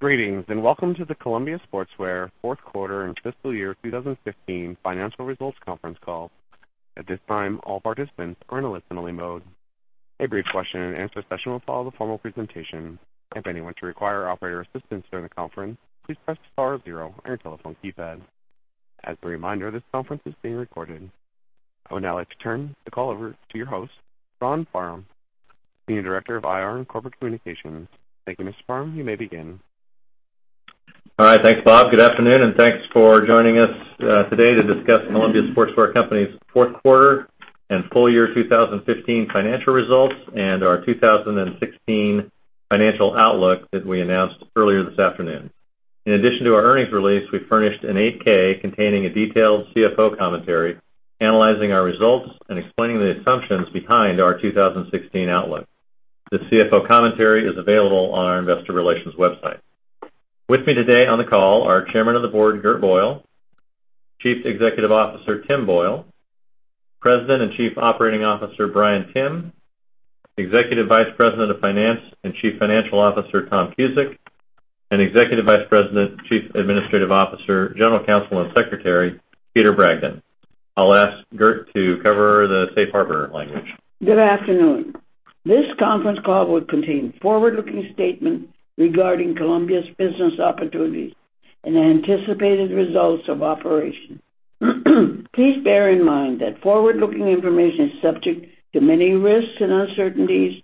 Greetings, welcome to the Columbia Sportswear fourth quarter and fiscal year 2015 financial results conference call. At this time, all participants are in listen-only mode. A brief question and answer session will follow the formal presentation. If anyone should require operator assistance during the conference, please press star zero on your telephone keypad. As a reminder, this conference is being recorded. I would now like to turn the call over to your host, Ron Parham, Senior Director of IR and Corporate Communications. Thank you, Mr. Parham. You may begin. Hi. Thanks, Bob. Good afternoon, thanks for joining us today to discuss Columbia Sportswear Company's fourth quarter and full year 2015 financial results and our 2016 financial outlook that we announced earlier this afternoon. In addition to our earnings release, we furnished an 8-K containing a detailed CFO commentary analyzing our results and explaining the assumptions behind our 2016 outlook. The CFO commentary is available on our investor relations website. With me today on the call are Chairman of the Board, Gert Boyle, Chief Executive Officer, Tim Boyle, President and Chief Operating Officer, Bryan Timm, Executive Vice President of Finance and Chief Financial Officer, Tom Cusick, and Executive Vice President, Chief Administrative Officer, General Counsel, and Secretary, Peter Bragdon. I'll ask Gert to cover the safe harbor language. Good afternoon. This conference call will contain forward-looking statements regarding Columbia's business opportunities and anticipated results of operation. Please bear in mind that forward-looking information is subject to many risks and uncertainties,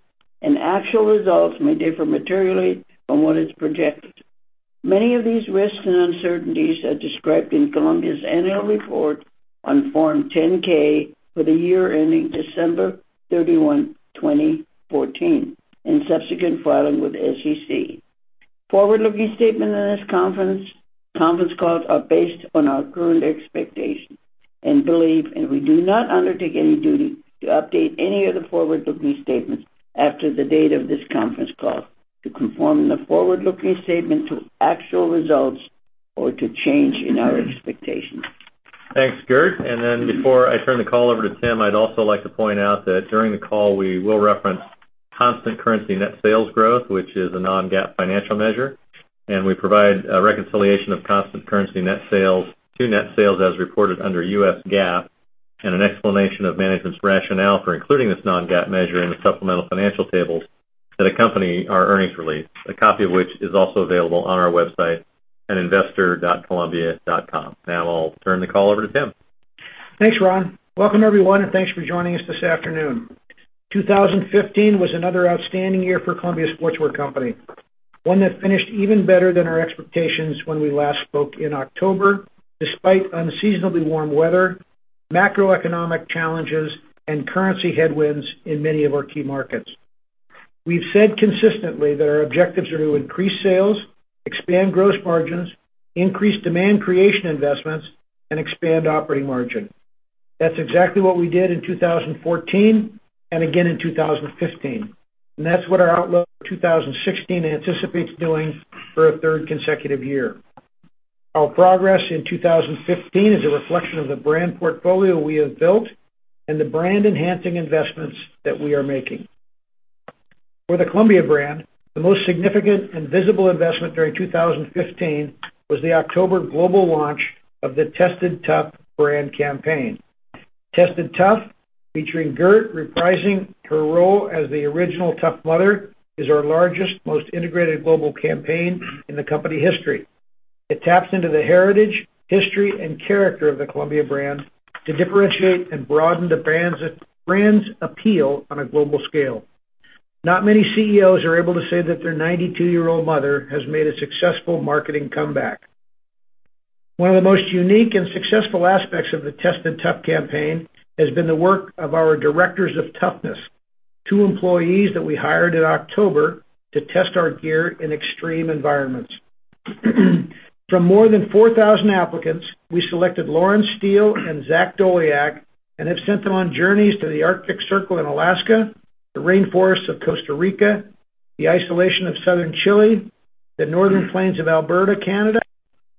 actual results may differ materially from what is projected. Many of these risks and uncertainties are described in Columbia's annual report on Form 10-K for the year ending December 31, 2014, and subsequent filings with the SEC. Forward-looking statements on this conference call are based on our current expectations and beliefs, we do not undertake any duty to update any of the forward-looking statements after the date of this conference call to conform the forward-looking statements with actual results or to change in our expectations. Thanks, Gert. Before I turn the call over to Tim, I'd also like to point out that during the call we will reference constant currency net sales growth, which is a non-GAAP financial measure. We provide a reconciliation of constant currency net sales to net sales as reported under U.S. GAAP and an explanation of management's rationale for including this non-GAAP measure in the supplemental financial tables that accompany our earnings release, a copy of which is also available on our website at investor.columbia.com. Now I'll turn the call over to Tim. Thanks, Ron. Welcome, everyone, and thanks for joining us this afternoon. 2015 was another outstanding year for Columbia Sportswear Company, one that finished even better than our expectations when we last spoke in October, despite unseasonably warm weather, macroeconomic challenges, and currency headwinds in many of our key markets. We've said consistently that our objectives are to increase sales, expand gross margins, increase demand creation investments, and expand operating margin. That's exactly what we did in 2014 and again in 2015, that's what our outlook for 2016 anticipates doing for a third consecutive year. Our progress in 2015 is a reflection of the brand portfolio we have built and the brand-enhancing investments that we are making. For the Columbia brand, the most significant and visible investment during 2015 was the October global launch of the Tested Tough brand campaign. Tested Tough, featuring Gert reprising her role as the original Tough Mother, is our largest, most integrated global campaign in the company history. It taps into the heritage, history, and character of the Columbia brand to differentiate and broaden the brand's appeal on a global scale. Not many CEOs are able to say that their 92-year-old mother has made a successful marketing comeback. One of the most unique and successful aspects of the Tested Tough campaign has been the work of our directors of toughness, two employees that we hired in October to test our gear in extreme environments. From more than 4,000 applicants, we selected Lauren Steele and Zach Doleac and have sent them on journeys to the Arctic Circle in Alaska, the rainforests of Costa Rica, the isolation of southern Chile, the northern plains of Alberta, Canada,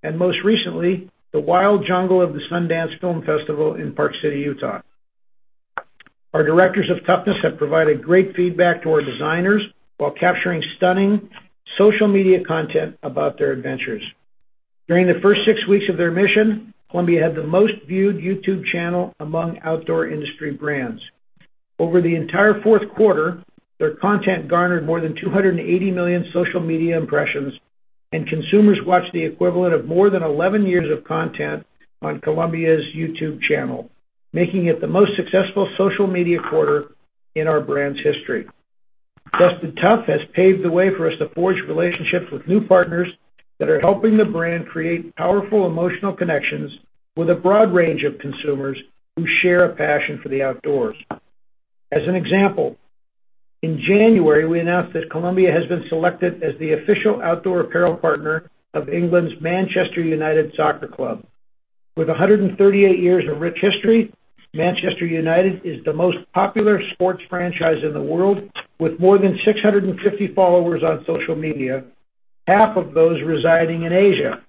and most recently, the wild jungle of the Sundance Film Festival in Park City, Utah. Our directors of toughness have provided great feedback to our designers while capturing stunning social media content about their adventures. During the first six weeks of their mission, Columbia had the most viewed YouTube channel among outdoor industry brands. Over the entire fourth quarter, their content garnered more than 280 million social media impressions, consumers watched the equivalent of more than 11 years of content on Columbia's YouTube channel, making it the most successful social media quarter in our brand's history. Tested Tough has paved the way for us to forge relationships with new partners that are helping the brand create powerful emotional connections with a broad range of consumers who share a passion for the outdoors. As an example, in January, we announced that Columbia has been selected as the official outdoor apparel partner of England's Manchester United Soccer Club. With 138 years of rich history, Manchester United is the most popular sports franchise in the world, with more than 650 followers on social media, half of those residing in Asia.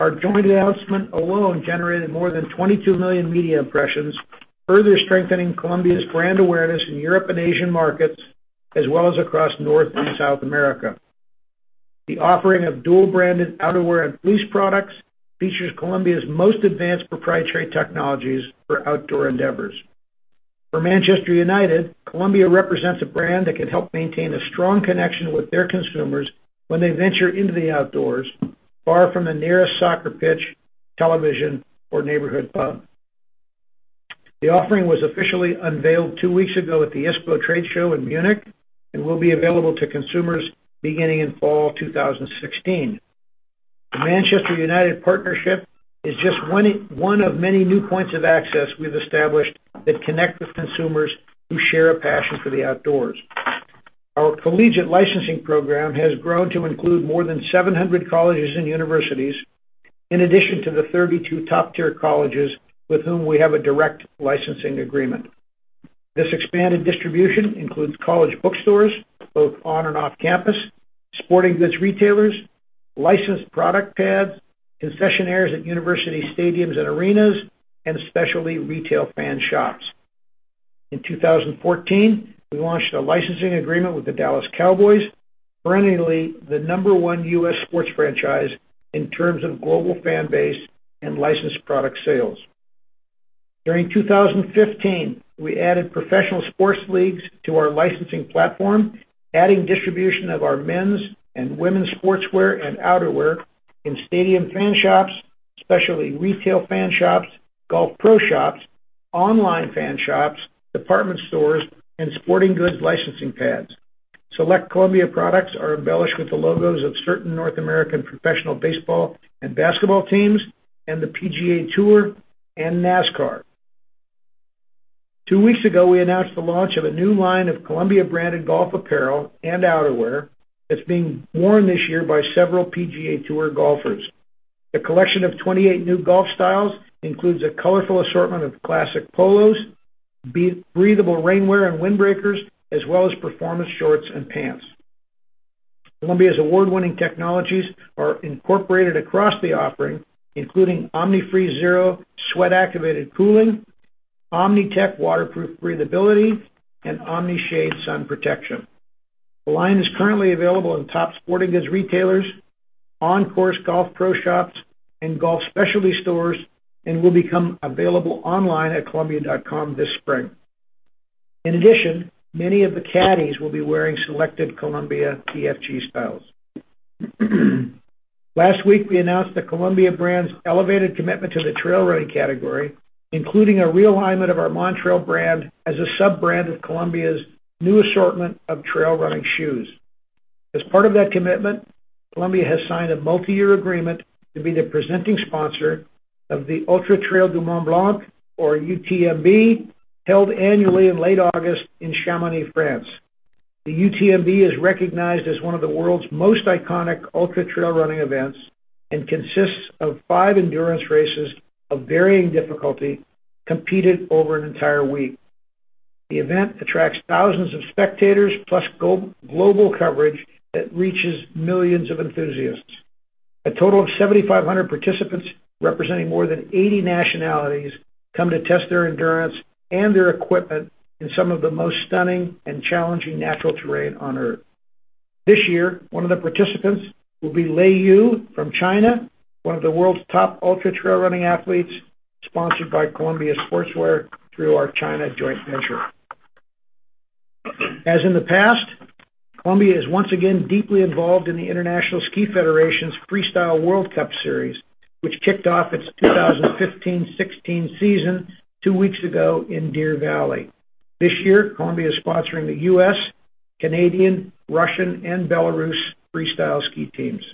Our joint announcement alone generated more than 22 million media impressions, further strengthening Columbia's brand awareness in Europe and Asian markets, as well as across North and South America. The offering of dual-branded outerwear and fleece products features Columbia's most advanced proprietary technologies for outdoor endeavors. For Manchester United, Columbia represents a brand that can help maintain a strong connection with their consumers when they venture into the outdoors, far from the nearest soccer pitch, television, or neighborhood pub. The offering was officially unveiled two weeks ago at the ISPO trade show in Munich and will be available to consumers beginning in fall 2016. The Manchester United partnership is just one of many new points of access we've established that connect with consumers who share a passion for the outdoors. Our collegiate licensing program has grown to include more than 700 colleges and universities, in addition to the 32 top-tier colleges with whom we have a direct licensing agreement. This expanded distribution includes college bookstores, both on and off campus, sporting goods retailers, licensed product pads, concessionaires at university stadiums and arenas, and specialty retail fan shops. In 2014, we launched a licensing agreement with the Dallas Cowboys, perennially the number one U.S. sports franchise in terms of global fan base and licensed product sales. During 2015, we added professional sports leagues to our licensing platform, adding distribution of our men's and women's sportswear and outerwear in stadium fan shops, specialty retail fan shops, golf pro shops, online fan shops, department stores, and sporting goods licensing pads. Select Columbia products are embellished with the logos of certain North American professional baseball and basketball teams and the PGA Tour and NASCAR. Two weeks ago, we announced the launch of a new line of Columbia-branded golf apparel and outerwear that's being worn this year by several PGA Tour golfers. The collection of 28 new golf styles includes a colorful assortment of classic polos, breathable rainwear and windbreakers, as well as performance shorts and pants. Columbia's award-winning technologies are incorporated across the offering, including Omni-Freeze Zero sweat-activated cooling, Omni-Tech waterproof breathability, and Omni-Shade sun protection. The line is currently available in top sporting goods retailers, on-course golf pro shops, and golf specialty stores and will become available online at columbia.com this spring. In addition, many of the caddies will be wearing selected Columbia PFG styles. Last week, we announced the Columbia brand's elevated commitment to the trail running category, including a realignment of our Montrail brand as a sub-brand of Columbia's new assortment of trail running shoes. As part of that commitment, Columbia has signed a multi-year agreement to be the presenting sponsor of the Ultra-Trail du Mont-Blanc, or UTMB, held annually in late August in Chamonix, France. The UTMB is recognized as one of the world's most iconic ultra-trail running events and consists of five endurance races of varying difficulty competed over an entire week. The event attracts thousands of spectators, plus global coverage that reaches millions of enthusiasts. A total of 7,500 participants, representing more than 80 nationalities, come to test their endurance and their equipment in some of the most stunning and challenging natural terrain on Earth. This year, one of the participants will be Lei Yu from China, one of the world's top ultra-trail running athletes, sponsored by Columbia Sportswear through our China joint venture. As in the past, Columbia is once again deeply involved in the International Ski Federation's Freestyle World Cup series, which kicked off its 2015-16 season two weeks ago in Deer Valley. This year, Columbia is sponsoring the U.S., Canadian, Russian, and Belarus freestyle ski teams.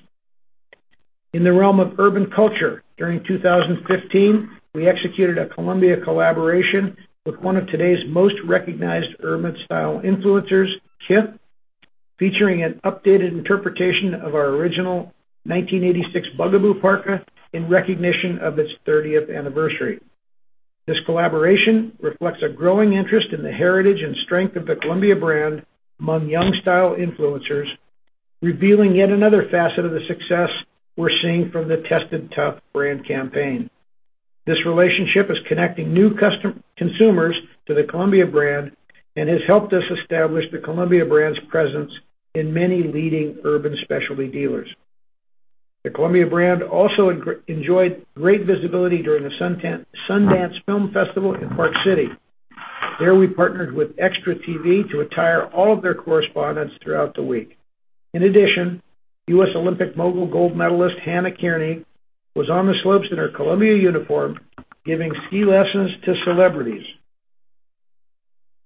In the realm of urban culture, during 2015, we executed a Columbia collaboration with one of today's most recognized urban style influencers, Kith, featuring an updated interpretation of our original 1986 Bugaboo parka in recognition of its 30th anniversary. This collaboration reflects a growing interest in the heritage and strength of the Columbia brand among young style influencers, revealing yet another facet of the success we're seeing from the Tested Tough brand campaign. This relationship is connecting new consumers to the Columbia brand and has helped us establish the Columbia brand's presence in many leading urban specialty dealers. The Columbia brand also enjoyed great visibility during the Sundance Film Festival in Park City. There, we partnered with Extra TV to attire all of their correspondents throughout the week. In addition, U.S. Olympic mogul gold medalist Hannah Kearney was on the slopes in her Columbia uniform, giving ski lessons to celebrities.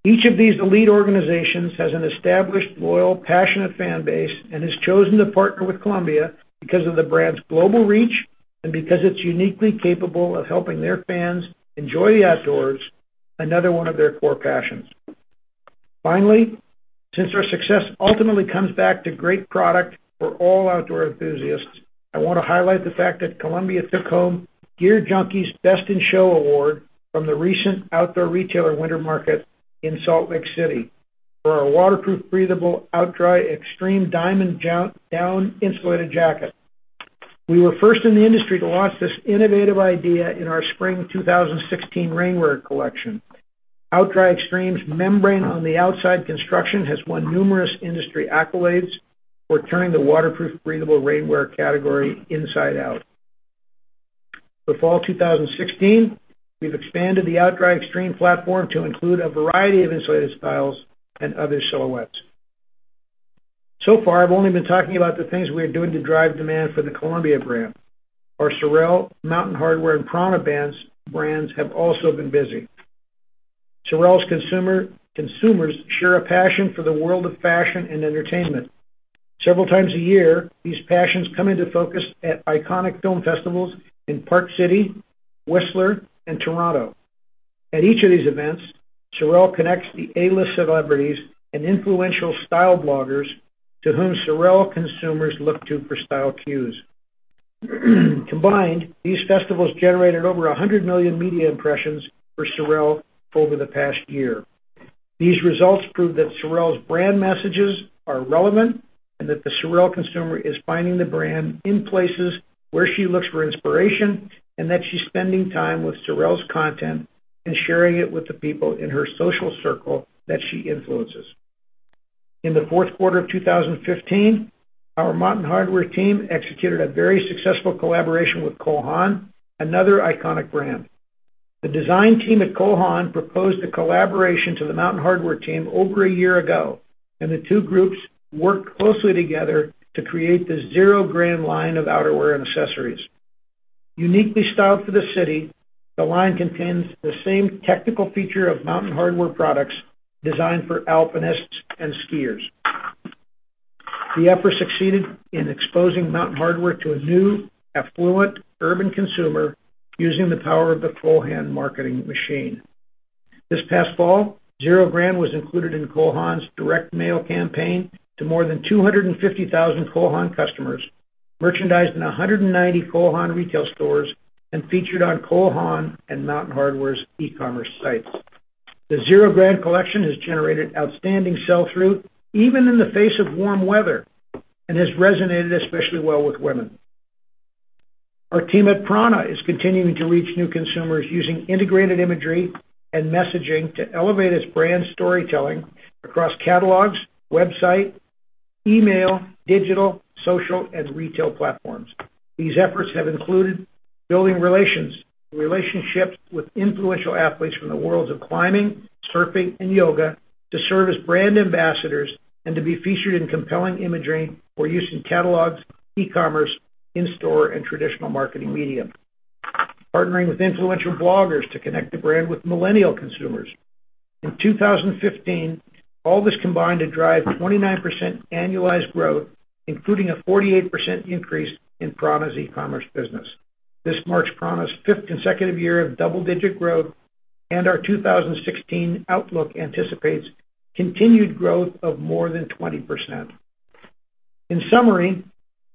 Each of these elite organizations has an established, loyal, passionate fan base and has chosen to partner with Columbia because of the brand's global reach and because it's uniquely capable of helping their fans enjoy the outdoors, another one of their core passions. Finally, since our success ultimately comes back to great product for all outdoor enthusiasts, I want to highlight the fact that Columbia took home GearJunkie's Best in Show award from the recent Outdoor Retailer Winter Market in Salt Lake City. For our waterproof, breathable OutDry Extreme Diamond Down-Insulated jacket. We were first in the industry to launch this innovative idea in our Spring 2016 rainwear collection. OutDry Extreme's membrane on the outside construction has won numerous industry accolades for turning the waterproof, breathable rainwear category inside out. For fall 2016, we've expanded the OutDry Extreme platform to include a variety of insulated styles and other silhouettes. Far, I've only been talking about the things we are doing to drive demand for the Columbia brand. Our SOREL, Mountain Hardwear, and prAna brands have also been busy. SOREL's consumers share a passion for the world of fashion and entertainment. Several times a year, these passions come into focus at iconic film festivals in Park City, Whistler, and Toronto. At each of these events, SOREL connects the A-list celebrities and influential style bloggers to whom SOREL consumers look to for style cues. Combined, these festivals generated over 100 million media impressions for SOREL over the past year. These results prove that SOREL's brand messages are relevant and that the SOREL consumer is finding the brand in places where she looks for inspiration and that she's spending time with SOREL's content and sharing it with the people in her social circle that she influences. In the fourth quarter of 2015, our Mountain Hardwear team executed a very successful collaboration with Cole Haan, another iconic brand. The design team at Cole Haan proposed the collaboration to the Mountain Hardwear team over a year ago, and the two groups worked closely together to create the ZerøGrand line of outerwear and accessories. Uniquely styled for the city, the line contains the same technical feature of Mountain Hardwear products designed for alpinists and skiers. The effort succeeded in exposing Mountain Hardwear to a new, affluent urban consumer using the power of the Cole Haan marketing machine. This past fall, ZerøGrand was included in Cole Haan's direct mail campaign to more than 250,000 Cole Haan customers, merchandised in 190 Cole Haan retail stores, and featured on Cole Haan and Mountain Hardwear's e-commerce sites. The ZerøGrand collection has generated outstanding sell-through, even in the face of warm weather, and has resonated especially well with women. Our team at prAna is continuing to reach new consumers using integrated imagery and messaging to elevate its brand storytelling across catalogs, website, email, digital, social, and retail platforms. These efforts have included building relationships with influential athletes from the worlds of climbing, surfing, and yoga to serve as brand ambassadors and to be featured in compelling imagery for use in catalogs, e-commerce, in-store, and traditional marketing media. Partnering with influential bloggers to connect the brand with millennial consumers. In 2015, all this combined to drive 29% annualized growth, including a 48% increase in prAna's e-commerce business. This marks prAna's fifth consecutive year of double-digit growth, and our 2016 outlook anticipates continued growth of more than 20%. In summary,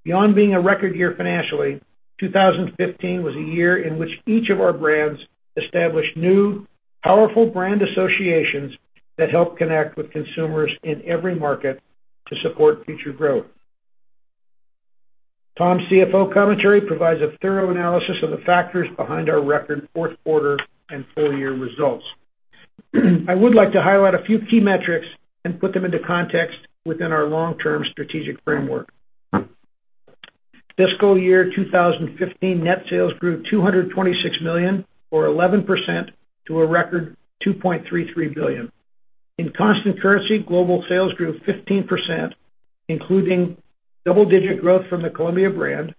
beyond being a record year financially, 2015 was a year in which each of our brands established new, powerful brand associations that help connect with consumers in every market to support future growth. Tom's CFO commentary provides a thorough analysis of the factors behind our record fourth quarter and full-year results. I would like to highlight a few key metrics and put them into context within our long-term strategic framework. FY 2015 net sales grew $226 million or 11% to a record $2.33 billion. In constant currency, global sales grew 15%, including double-digit growth from the Columbia brand,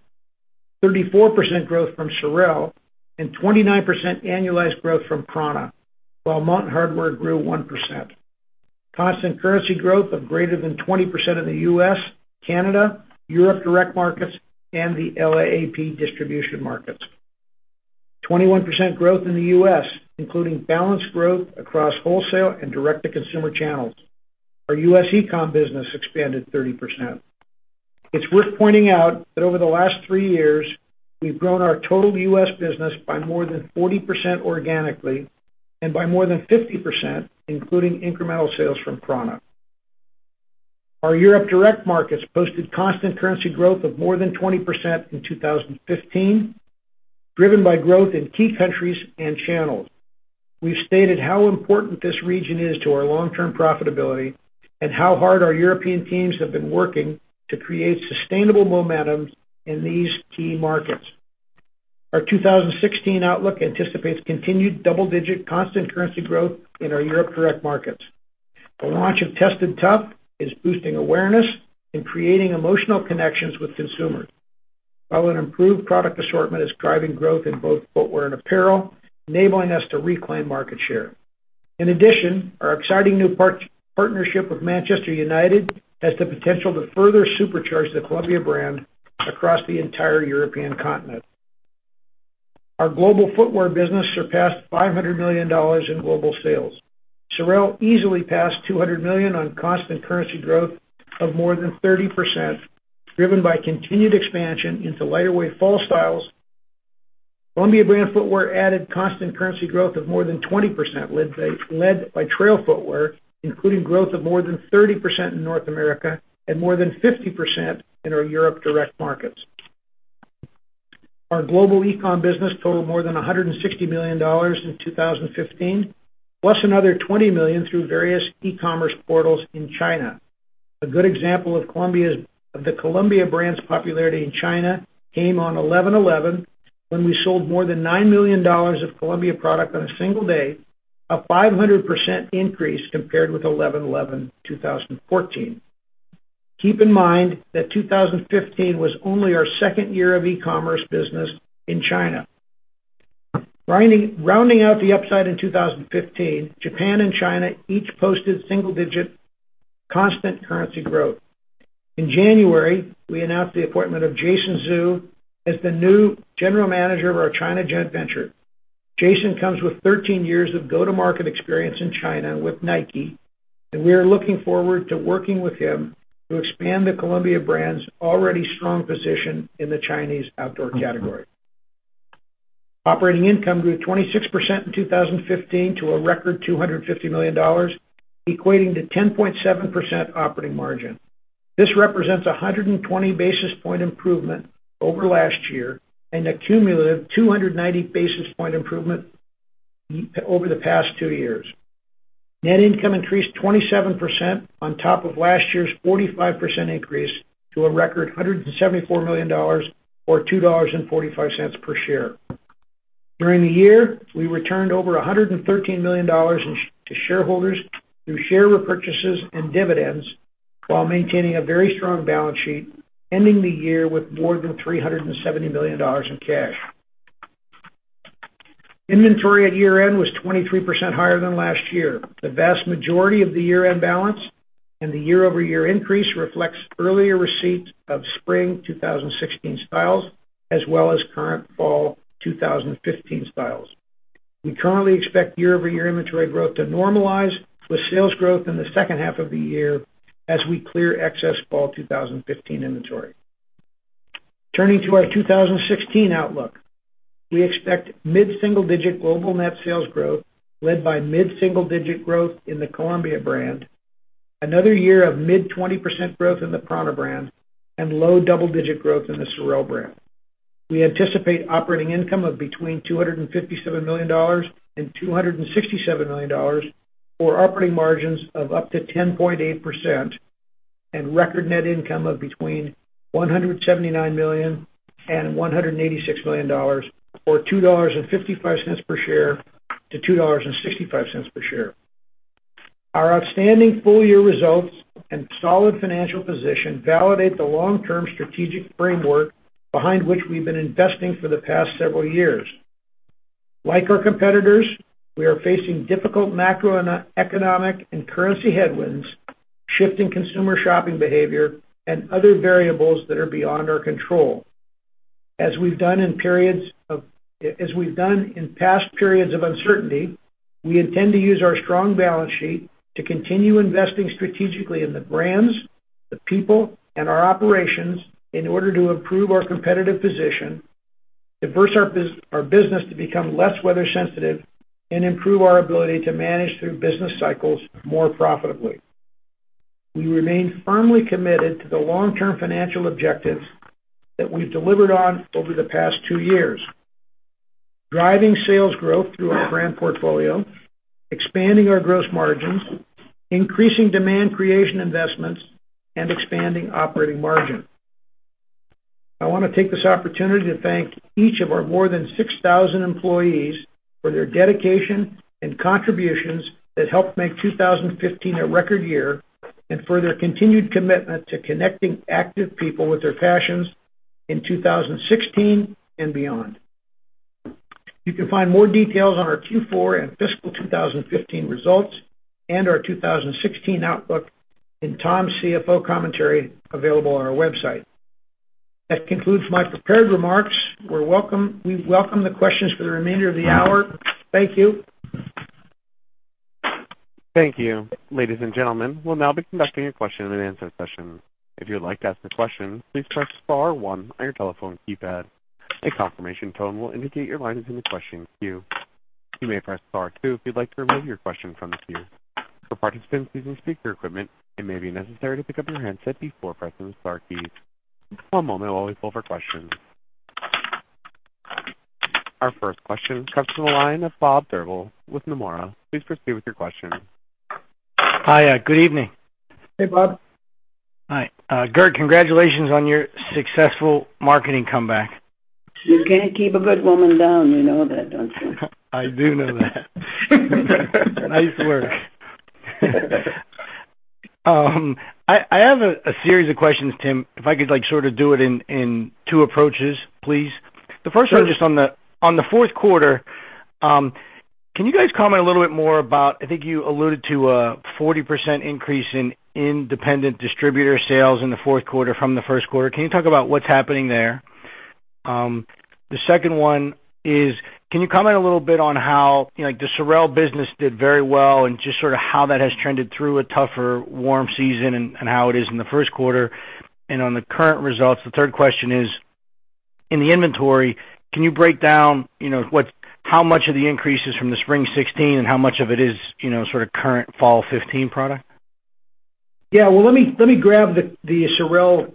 34% growth from SOREL, and 29% annualized growth from prAna. While Mountain Hardwear grew 1%. Constant currency growth of greater than 20% in the U.S., Canada, Europe direct markets, and the LAAP distribution markets. 21% growth in the U.S., including balanced growth across wholesale and direct-to-consumer channels. Our U.S. e-com business expanded 30%. It's worth pointing out that over the last three years, we've grown our total U.S. business by more than 40% organically and by more than 50%, including incremental sales from prAna. Our Europe direct markets posted constant currency growth of more than 20% in 2015, driven by growth in key countries and channels. We've stated how important this region is to our long-term profitability and how hard our European teams have been working to create sustainable momentum in these key markets. Our 2016 outlook anticipates continued double-digit constant currency growth in our Europe direct markets. The launch of Tested Tough is boosting awareness and creating emotional connections with consumers, while an improved product assortment is driving growth in both footwear and apparel, enabling us to reclaim market share. In addition, our exciting new partnership with Manchester United has the potential to further supercharge the Columbia brand across the entire European continent. Our global footwear business surpassed $500 million in global sales. SOREL easily passed $200 million on constant currency growth of more than 30%, driven by continued expansion into lighter-weight fall styles. Columbia brand footwear added constant currency growth of more than 20%, led by trail footwear, including growth of more than 30% in North America and more than 50% in our Europe direct markets. Our global e-com business totaled more than $160 million in 2015, plus another $20 million through various e-commerce portals in China. A good example of the Columbia brand's popularity in China came on 11.11, when we sold more than $9 million of Columbia product on a single day, a 500% increase compared with 11.11.2014. Keep in mind that 2015 was only our second year of e-commerce business in China. Rounding out the upside in 2015, Japan and China each posted single-digit constant currency growth. In January, we announced the appointment of Jason Zhu as the new general manager of our China joint venture. Jason comes with 13 years of go-to-market experience in China with Nike, and we are looking forward to working with him to expand the Columbia brand's already strong position in the Chinese outdoor category. Operating income grew 26% in 2015 to a record $250 million, equating to 10.7% operating margin. This represents a 120 basis point improvement over last year and a cumulative 290 basis point improvement over the past two years. Net income increased 27% on top of last year's 45% increase, to a record $174 million or $2.45 per share. During the year, we returned over $113 million to shareholders through share repurchases and dividends while maintaining a very strong balance sheet, ending the year with more than $370 million in cash. Inventory at year-end was 23% higher than last year. The vast majority of the year-end balance and the year-over-year increase reflects earlier receipts of spring 2016 styles as well as current fall 2015 styles. We currently expect year-over-year inventory growth to normalize with sales growth in the second half of the year as we clear excess fall 2015 inventory. Turning to our 2016 outlook. We expect mid-single-digit global net sales growth led by mid-single-digit growth in the Columbia brand, another year of mid-20% growth in the prAna brand, and low-double-digit growth in the SOREL brand. We anticipate operating income of between $257 million and $267 million, or operating margins of up to 10.8%, and record net income of between $179 million and $186 million, or $2.55 per share to $2.65 per share. Our outstanding full-year results and solid financial position validate the long-term strategic framework behind which we've been investing for the past several years. Like our competitors, we are facing difficult macroeconomic and currency headwinds, shifting consumer shopping behavior, and other variables that are beyond our control. As we've done in past periods of uncertainty, we intend to use our strong balance sheet to continue investing strategically in the brands, the people, and our operations in order to improve our competitive position, diversify our business to become less weather sensitive, and improve our ability to manage through business cycles more profitably. We remain firmly committed to the long-term financial objectives that we've delivered on over the past two years. Driving sales growth through our brand portfolio, expanding our gross margins, increasing demand creation investments, and expanding operating margin. I want to take this opportunity to thank each of our more than 6,000 employees for their dedication and contributions that helped make 2015 a record year, and for their continued commitment to connecting active people with their passions in 2016 and beyond. You can find more details on our Q4 and fiscal 2015 results and our 2016 outlook in Tom's CFO commentary available on our website. That concludes my prepared remarks. We welcome the questions for the remainder of the hour. Thank you. Thank you. Ladies and gentlemen, we will now be conducting a question and answer session. If you would like to ask a question, please press star one on your telephone keypad. A confirmation tone will indicate your line is in the question queue. You may press star two if you would like to remove your question from the queue. For participants using speaker equipment, it may be necessary to pick up your handset before pressing the star key. One moment while we pull for questions. Our first question comes from the line of Bob Drbul with Nomura. Please proceed with your question. Hi. Good evening. Hey, Bob. Hi. Gert, congratulations on your successful marketing comeback. You can't keep a good woman down, you know that, don't you? I do know that. Nice work. I have a series of questions, Tim, if I could sort of do it in two approaches, please. Sure. The first one, just on the fourth quarter, can you guys comment a little bit more about, I think you alluded to a 40% increase in independent distributor sales in the fourth quarter from the first quarter. Can you talk about what's happening there? The second one is, can you comment a little bit on how the SOREL business did very well and just sort of how that has trended through a tougher warm season and how it is in the first quarter? On the current results, the third question is In the inventory, can you break down how much of the increase is from the Spring 2016 and how much of it is current Fall 2015 product? Yeah. Well, let me grab the SOREL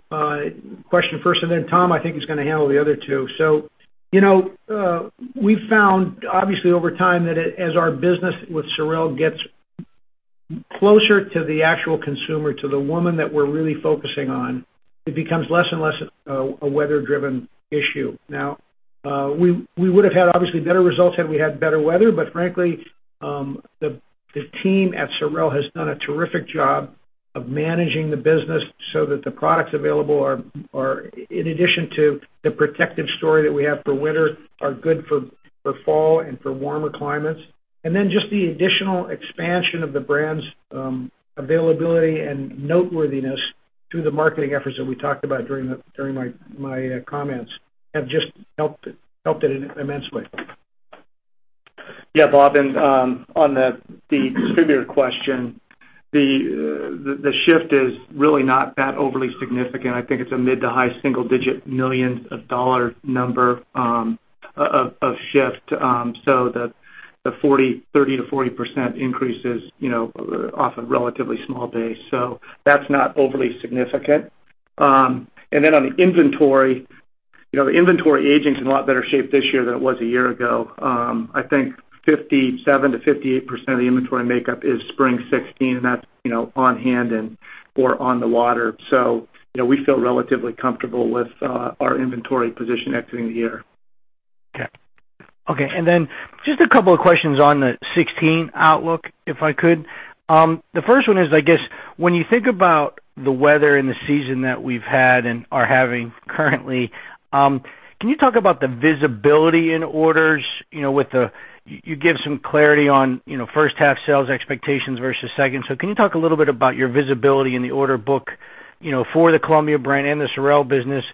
question first, and then Tom, I think, is going to handle the other two. We've found, obviously, over time, that as our business with SOREL gets closer to the actual consumer, to the woman that we're really focusing on, it becomes less and less a weather-driven issue. Now, we would have had obviously better results had we had better weather. Frankly, the team at SOREL has done a terrific job of managing the business so that the products available, in addition to the protective story that we have for winter, are good for fall and for warmer climates. Just the additional expansion of the brand's availability and noteworthiness through the marketing efforts that we talked about during my comments have just helped it immensely. Bob, on the distributor question, the shift is really not that overly significant. I think it's a mid to high single-digit millions of dollar number of shift. The 30%-40% increase is off a relatively small base. That's not overly significant. On the inventory, the inventory aging's in a lot better shape this year than it was a year ago. I think 57%-58% of the inventory makeup is Spring 2016, and that's on hand and/or on the water. We feel relatively comfortable with our inventory position exiting the year. Okay. Just a couple of questions on the 2016 outlook, if I could. The first one is, I guess, when you think about the weather and the season that we've had and are having currently, can you talk about the visibility in orders? You give some clarity on first half sales expectations versus second. Can you talk a little bit about your visibility in the order book for the Columbia brand and the SOREL business?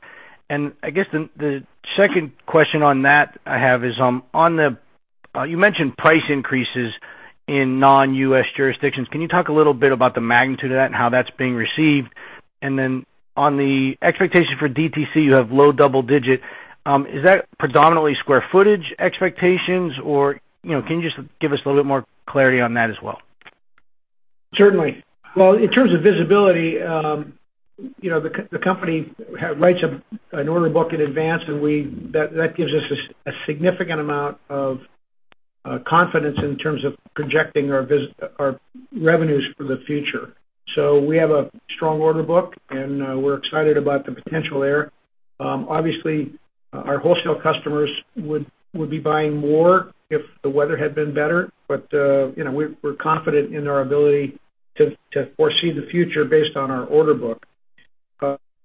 I guess the second question on that I have is, you mentioned price increases in non-U.S. jurisdictions. Can you talk a little bit about the magnitude of that and how that's being received? On the expectation for DTC, you have low double-digit. Is that predominantly square footage expectations, or can you just give us a little bit more clarity on that as well? Certainly. In terms of visibility, the company writes an order book in advance, that gives us a significant amount of confidence in terms of projecting our revenues for the future. We have a strong order book, we're excited about the potential there. Obviously, our wholesale customers would be buying more if the weather had been better, we're confident in our ability to foresee the future based on our order book.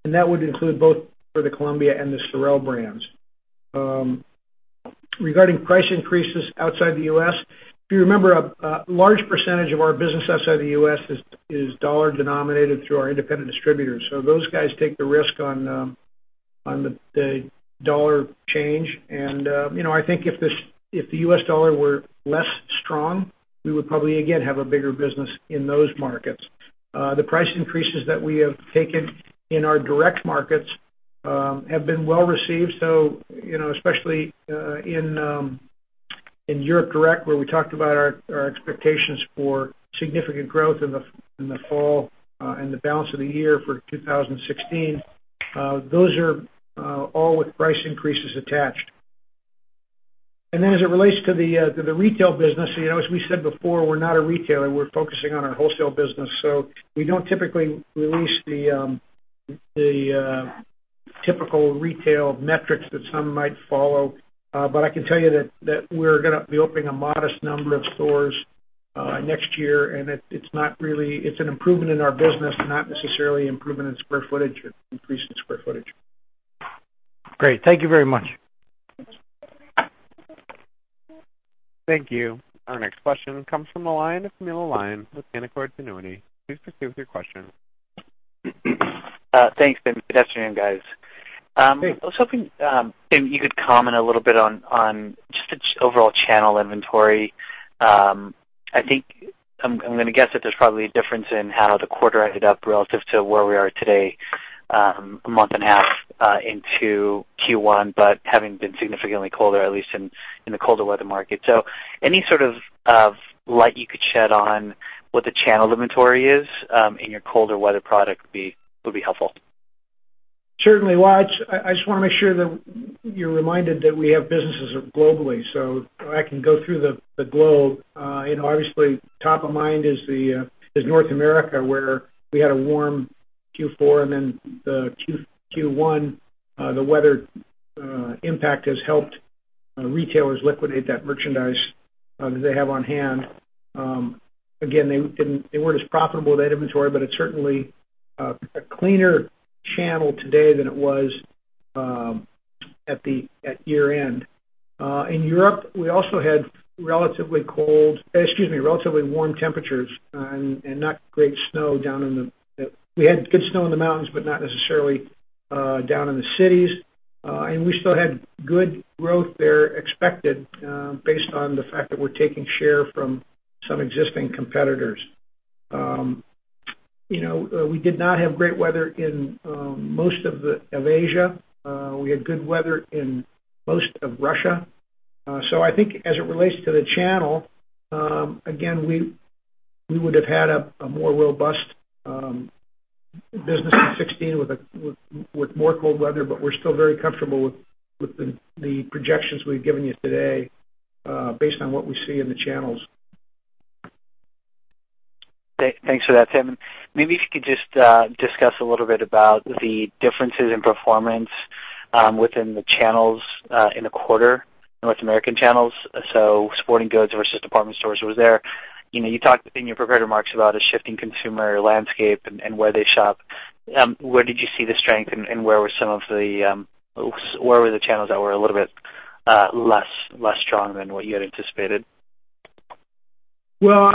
That would include both for the Columbia and the SOREL brands. Regarding price increases outside the U.S., if you remember, a large percentage of our business outside the U.S. is dollar-denominated through our independent distributors. Those guys take the risk on the dollar change. I think if the U.S. dollar were less strong, we would probably, again, have a bigger business in those markets. The price increases that we have taken in our direct markets have been well received. Especially in Europe direct, where we talked about our expectations for significant growth in the fall and the balance of the year for 2016, those are all with price increases attached. As it relates to the retail business, as we said before, we're not a retailer. We're focusing on our wholesale business. We don't typically release the typical retail metrics that some might follow. I can tell you that we're going to be opening a modest number of stores next year, it's an improvement in our business, not necessarily improvement in square footage or increase in square footage. Great. Thank you very much. Thank you. Our next question comes from the line of Camilo Lyon with Canaccord Genuity. Please proceed with your question. Thanks. Good afternoon, guys. Hey. I was hoping, Tim, you could comment a little bit on just the overall channel inventory. I'm going to guess that there's probably a difference in how the quarter ended up relative to where we are today, a month and a half into Q1, but having been significantly colder, at least in the colder weather market. Any sort of light you could shed on what the channel inventory is in your colder weather product would be helpful. Well, I just want to make sure that you're reminded that we have businesses globally. I can go through the globe. Obviously, top of mind is North America, where we had a warm Q4 and then the Q1, the weather impact has helped retailers liquidate that merchandise that they have on hand. Again, they weren't as profitable with that inventory, but it's certainly a cleaner channel today than it was at year-end. In Europe, we also had relatively warm temperatures and not great snow. We had good snow in the mountains, but not necessarily down in the cities. We still had good growth there expected based on the fact that we're taking share from some existing competitors. We did not have great weather in most of Asia. We had good weather in most of Russia. I think as it relates to the channel, again, we would have had a more robust business in 2016 with more cold weather, but we're still very comfortable with the projections we've given you today based on what we see in the channels. Thanks for that, Tim. Maybe if you could just discuss a little bit about the differences in performance within the channels in the quarter, North American channels. Sporting goods versus department stores. You talked in your prepared remarks about a shifting consumer landscape and where they shop. Where did you see the strength and where were some of the channels that were a little bit less strong than what you had anticipated? Well,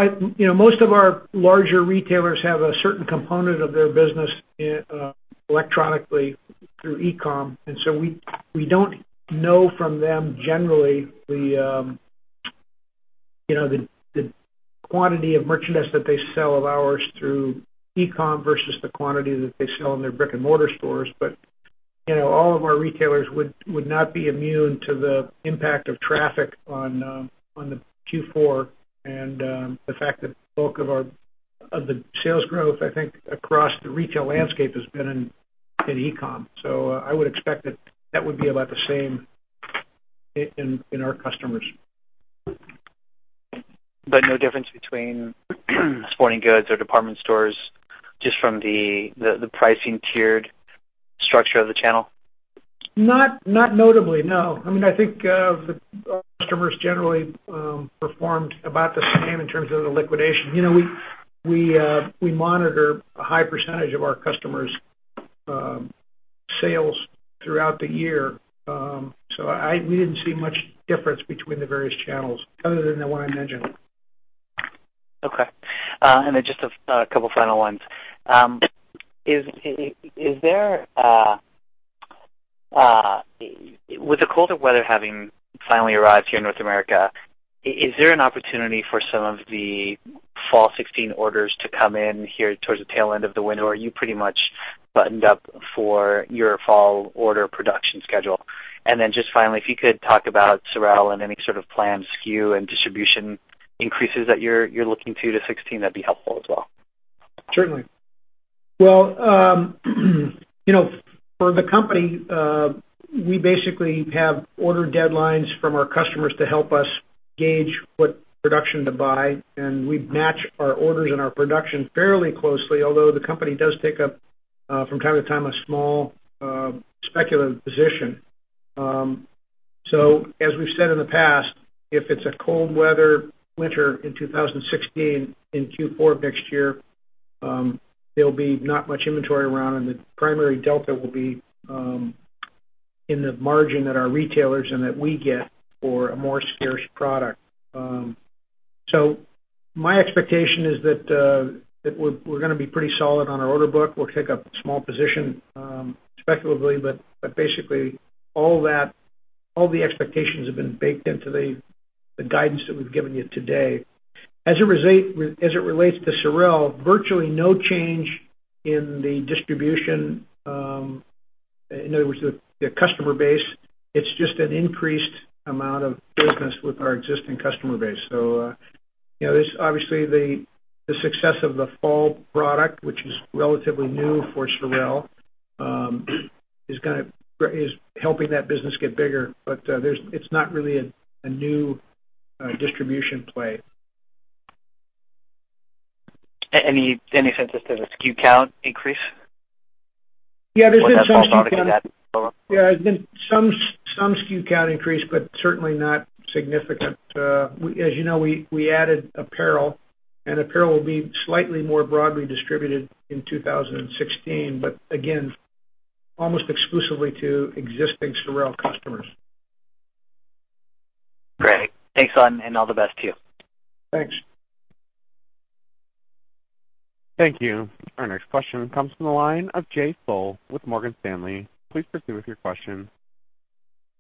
most of our larger retailers have a certain component of their business electronically through e-com. We don't know from them generally the quantity of merchandise that they sell of ours through e-com versus the quantity that they sell in their brick-and-mortar stores. All of our retailers would not be immune to the impact of traffic on the Q4 and the fact that the bulk of the sales growth, I think, across the retail landscape has been in e-com. I would expect that that would be about the same in our customers. No difference between sporting goods or department stores just from the pricing tiered structure of the channel? Not notably, no. I think our customers generally performed about the same in terms of the liquidation. We monitor a high % of our customers' sales throughout the year. We didn't see much difference between the various channels other than the one I mentioned. Okay. Just a couple final ones. With the colder weather having finally arrived here in North America, is there an opportunity for some of the fall 2016 orders to come in here towards the tail end of the winter? Are you pretty much buttoned up for your fall order production schedule? Just finally, if you could talk about SOREL and any sort of planned SKU and distribution increases that you're looking to 2016, that'd be helpful as well. Certainly. Well, for the company, we basically have order deadlines from our customers to help us gauge what production to buy, and we match our orders and our production fairly closely. Although the company does take up, from time to time, a small speculative position. As we've said in the past, if it's a cold weather winter in 2016, in Q4 of next year, there'll be not much inventory around and the primary delta will be in the margin that our retailers and that we get for a more scarce product. My expectation is that we're going to be pretty solid on our order book. We'll take a small position speculatively, but basically all the expectations have been baked into the guidance that we've given you today. As it relates to SOREL, virtually no change in the distribution. In other words, the customer base, it's just an increased amount of business with our existing customer base. Obviously, the success of the fall product, which is relatively new for SOREL, is helping that business get bigger. It's not really a new distribution play. Any sense as to the SKU count increase? Yeah, there's been some SKU count increase, certainly not significant. As you know, we added apparel will be slightly more broadly distributed in 2016. Again, almost exclusively to existing SOREL customers. Great. Thanks a lot, all the best to you. Thanks. Thank you. Our next question comes from the line of Jay Sole with Morgan Stanley. Please proceed with your question.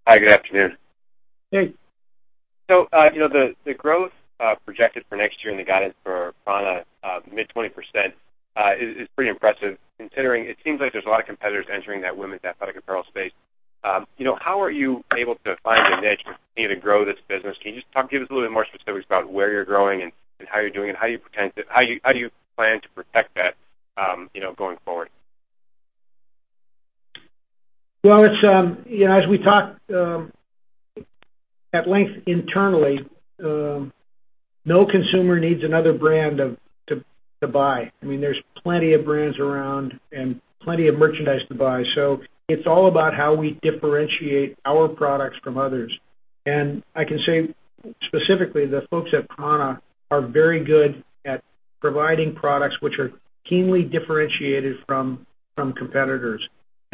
Hi, good afternoon. Jay. The growth projected for next year and the guidance for prAna, mid-20%, is pretty impressive considering it seems like there's a lot of competitors entering that women's athletic apparel space. How are you able to find a niche to continue to grow this business? Can you just give us a little bit more specifics about where you're growing and how you're doing it? How do you plan to protect that going forward? Well, as we talked at length internally, no consumer needs another brand to buy. There's plenty of brands around and plenty of merchandise to buy. It's all about how we differentiate our products from others. I can say specifically, the folks at prAna are very good at providing products which are keenly differentiated from competitors.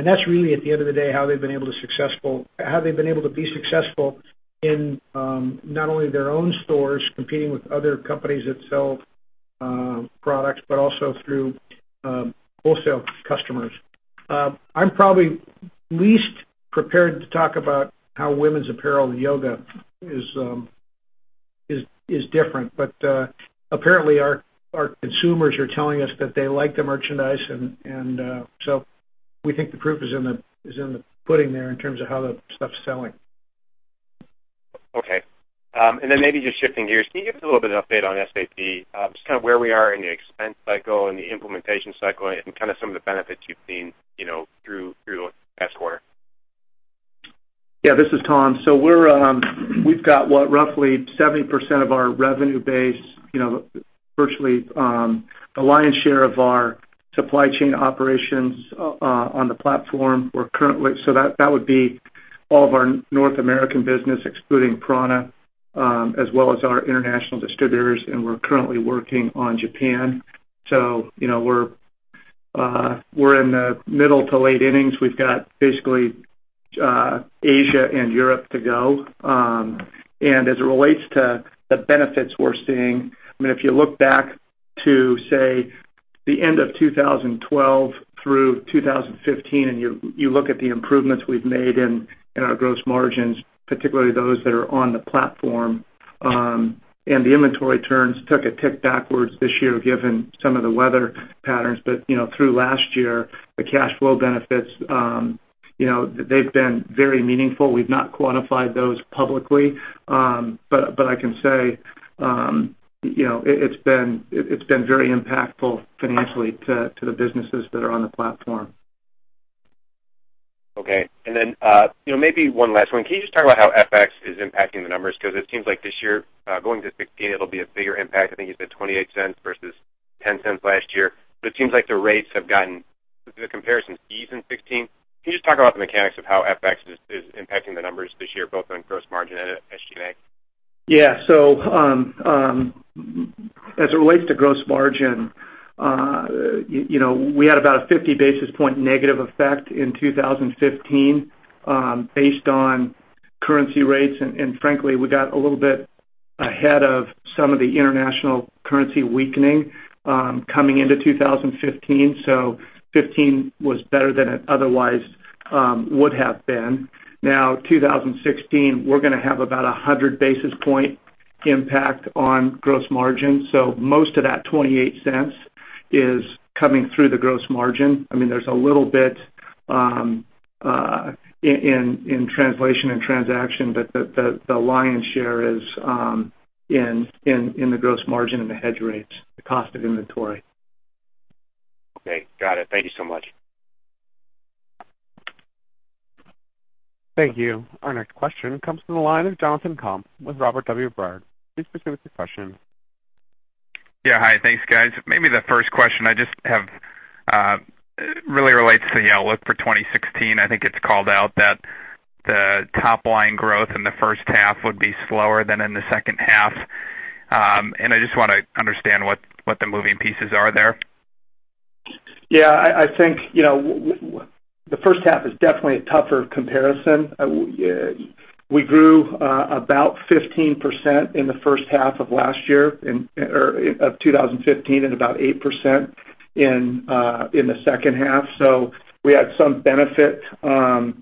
That's really, at the end of the day, how they've been able to be successful in not only their own stores competing with other companies that sell products, but also through wholesale customers. I'm probably least prepared to talk about how women's apparel and yoga is different. Apparently, our consumers are telling us that they like the merchandise, we think the proof is in the pudding there in terms of how the stuff's selling. Okay. Then maybe just shifting gears, can you give us a little bit of update on SAP, just kind of where we are in the expense cycle and the implementation cycle and some of the benefits you've seen through the past quarter? Yeah, this is Tom. We've got, what, roughly 70% of our revenue base, virtually the lion's share of our supply chain operations on the platform. That would be all of our North American business excluding prAna, as well as our international distributors, and we're currently working on Japan. We're in the middle to late innings. We've got basically Asia and Europe to go. As it relates to the benefits we're seeing, if you look back to, say, the end of 2012 through 2015, and you look at the improvements we've made in our gross margins, particularly those that are on the platform, and the inventory turns took a tick backwards this year given some of the weather patterns. Through last year, the cash flow benefits, they've been very meaningful. We've not quantified those publicly. I can say, it's been very impactful financially to the businesses that are on the platform. Okay. Then, maybe one last one. Can you just talk about how FX is impacting the numbers? It seems like this year going to 2016, it'll be a bigger impact. I think you said $0.28 versus $0.10 last year. It seems like the comparison ease in 2016. Can you just talk about the mechanics of how FX is impacting the numbers this year, both on gross margin and SG&A? Yeah. As it relates to gross margin, we had about a 50 basis point negative effect in 2015, based on currency rates. Frankly, we got a little bit ahead of some of the international currency weakening, coming into 2015. 2015 was better than it otherwise would have been. 2016, we're going to have about 100 basis point impact on gross margin. Most of that $0.28 is coming through the gross margin. There's a little bit in translation and transaction, but the lion's share is in the gross margin and the hedge rates, the cost of inventory. Okay. Got it. Thank you so much. Thank you. Our next question comes from the line of Jonathan Komp with Robert W. Baird. Please proceed with your question. Yeah. Hi. Thanks, guys. Maybe the first question I just have really relates to your outlook for 2016. I think it's called out that the top-line growth in the first half would be slower than in the second half. I just want to understand what the moving pieces are there. I think, the first half is definitely a tougher comparison. We grew about 15% in the first half of last year, of 2015 about 8% in the second half. We had some benefit from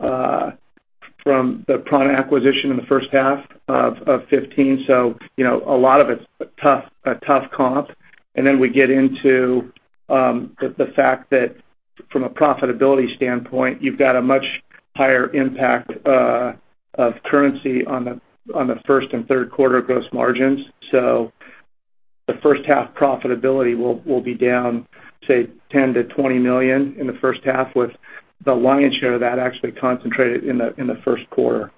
the prAna acquisition in the first half of 2015. A lot of it's a tough comp. We get into the fact that from a profitability standpoint, you've got a much higher impact of currency on the first and third quarter gross margins. The first half profitability will be down, say, $10 million-$20 million in the first half, with the lion's share of that actually concentrated in the first quarter.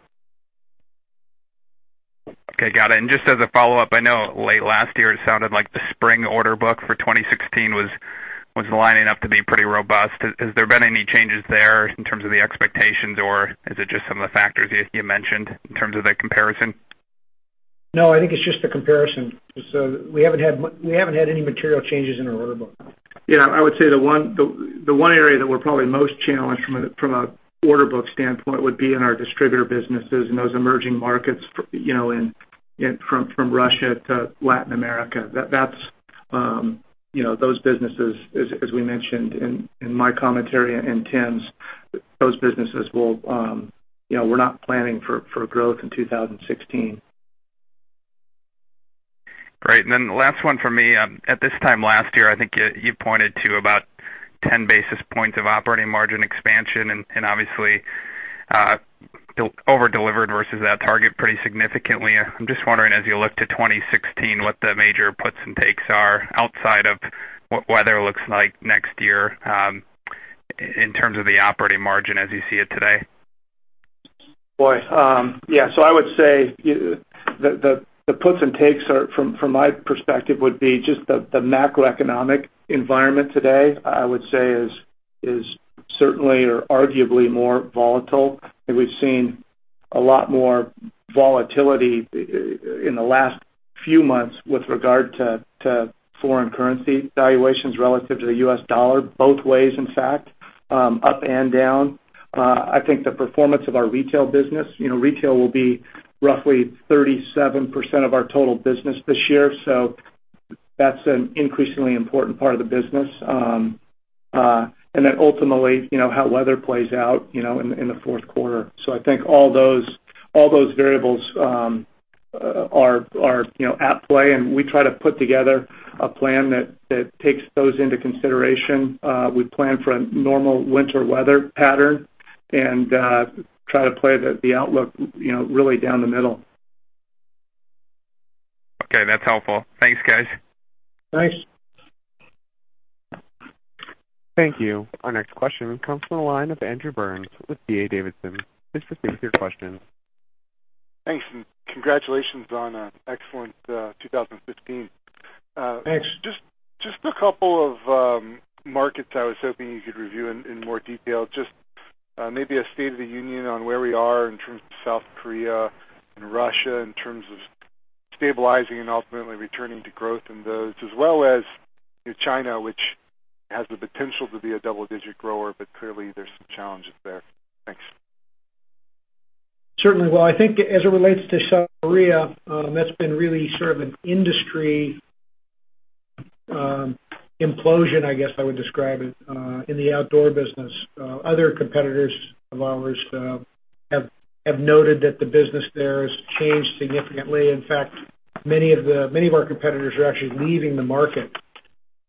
Okay, got it. Just as a follow-up, I know late last year it sounded like the spring order book for 2016 was lining up to be pretty robust. Has there been any changes there in terms of the expectations, or is it just some of the factors you mentioned in terms of the comparison? I think it's just the comparison. We haven't had any material changes in our order book. I would say the one area that we're probably most challenged from an order book standpoint would be in our distributor businesses and those emerging markets from Russia to Latin America. Those businesses, as we mentioned in my commentary and Tim's, those businesses we're not planning for growth in 2016. Great. The last one from me. At this time last year, I think you pointed to about 10 basis points of operating margin expansion and obviously, over-delivered versus that target pretty significantly. I'm just wondering, as you look to 2016, what the major puts and takes are outside of what weather looks like next year, in terms of the operating margin as you see it today. I would say the puts and takes from my perspective, would be just the macroeconomic environment today, is certainly or arguably more volatile. We've seen a lot more volatility in the last few months with regard to foreign currency valuations relative to the U.S. dollar, both ways, in fact, up and down. I think the performance of our retail business, retail will be roughly 37% of our total business this year. That's an increasingly important part of the business. Ultimately, how weather plays out in the fourth quarter. I think all those variables are at play, and we try to put together a plan that takes those into consideration. We plan for a normal winter weather pattern and try to play the outlook really down the middle. Okay, that's helpful. Thanks, guys. Thanks. Thank you. Our next question comes from the line of Andrew Burns with D.A. Davidson. Please proceed with your question. Thanks. Congratulations on an excellent 2015. Thanks. Just a couple of markets I was hoping you could review in more detail, just maybe a state of the union on where we are in terms of South Korea and Russia, in terms of stabilizing and ultimately returning to growth in those, as well as China, which has the potential to be a double-digit grower, but clearly, there's some challenges there. Thanks. Certainly. Well, I think as it relates to South Korea, that's been really sort of an industry implosion, I guess I would describe it, in the outdoor business. Other competitors of ours have noted that the business there has changed significantly. In fact, many of our competitors are actually leaving the market.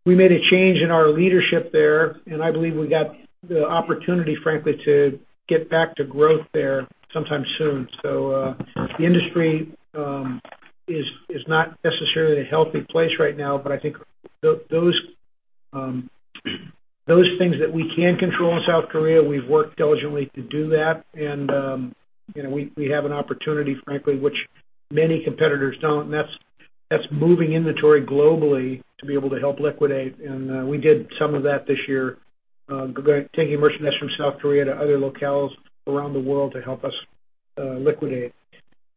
We made a change in our leadership there, and I believe we got the opportunity, frankly, to get back to growth there sometime soon. The industry is not necessarily in a healthy place right now, but I think those things that we can control in South Korea, we've worked diligently to do that. We have an opportunity, frankly, which many competitors don't, and that's moving inventory globally to be able to help liquidate. We did some of that this year, taking merchandise from South Korea to other locales around the world to help us liquidate.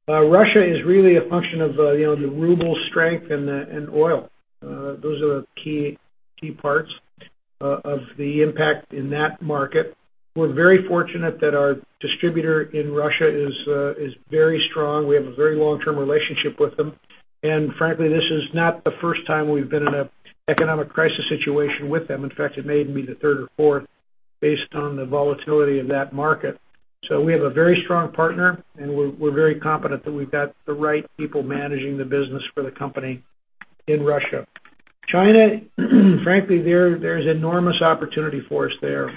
Russia is really a function of the ruble strength and oil. Those are the key parts of the impact in that market. We're very fortunate that our distributor in Russia is very strong. We have a very long-term relationship with them. Frankly, this is not the first time we've been in an economic crisis situation with them. In fact, it may even be the third or fourth, based on the volatility of that market. We have a very strong partner, and we're very confident that we've got the right people managing the business for the company in Russia. China, frankly, there's enormous opportunity for us there.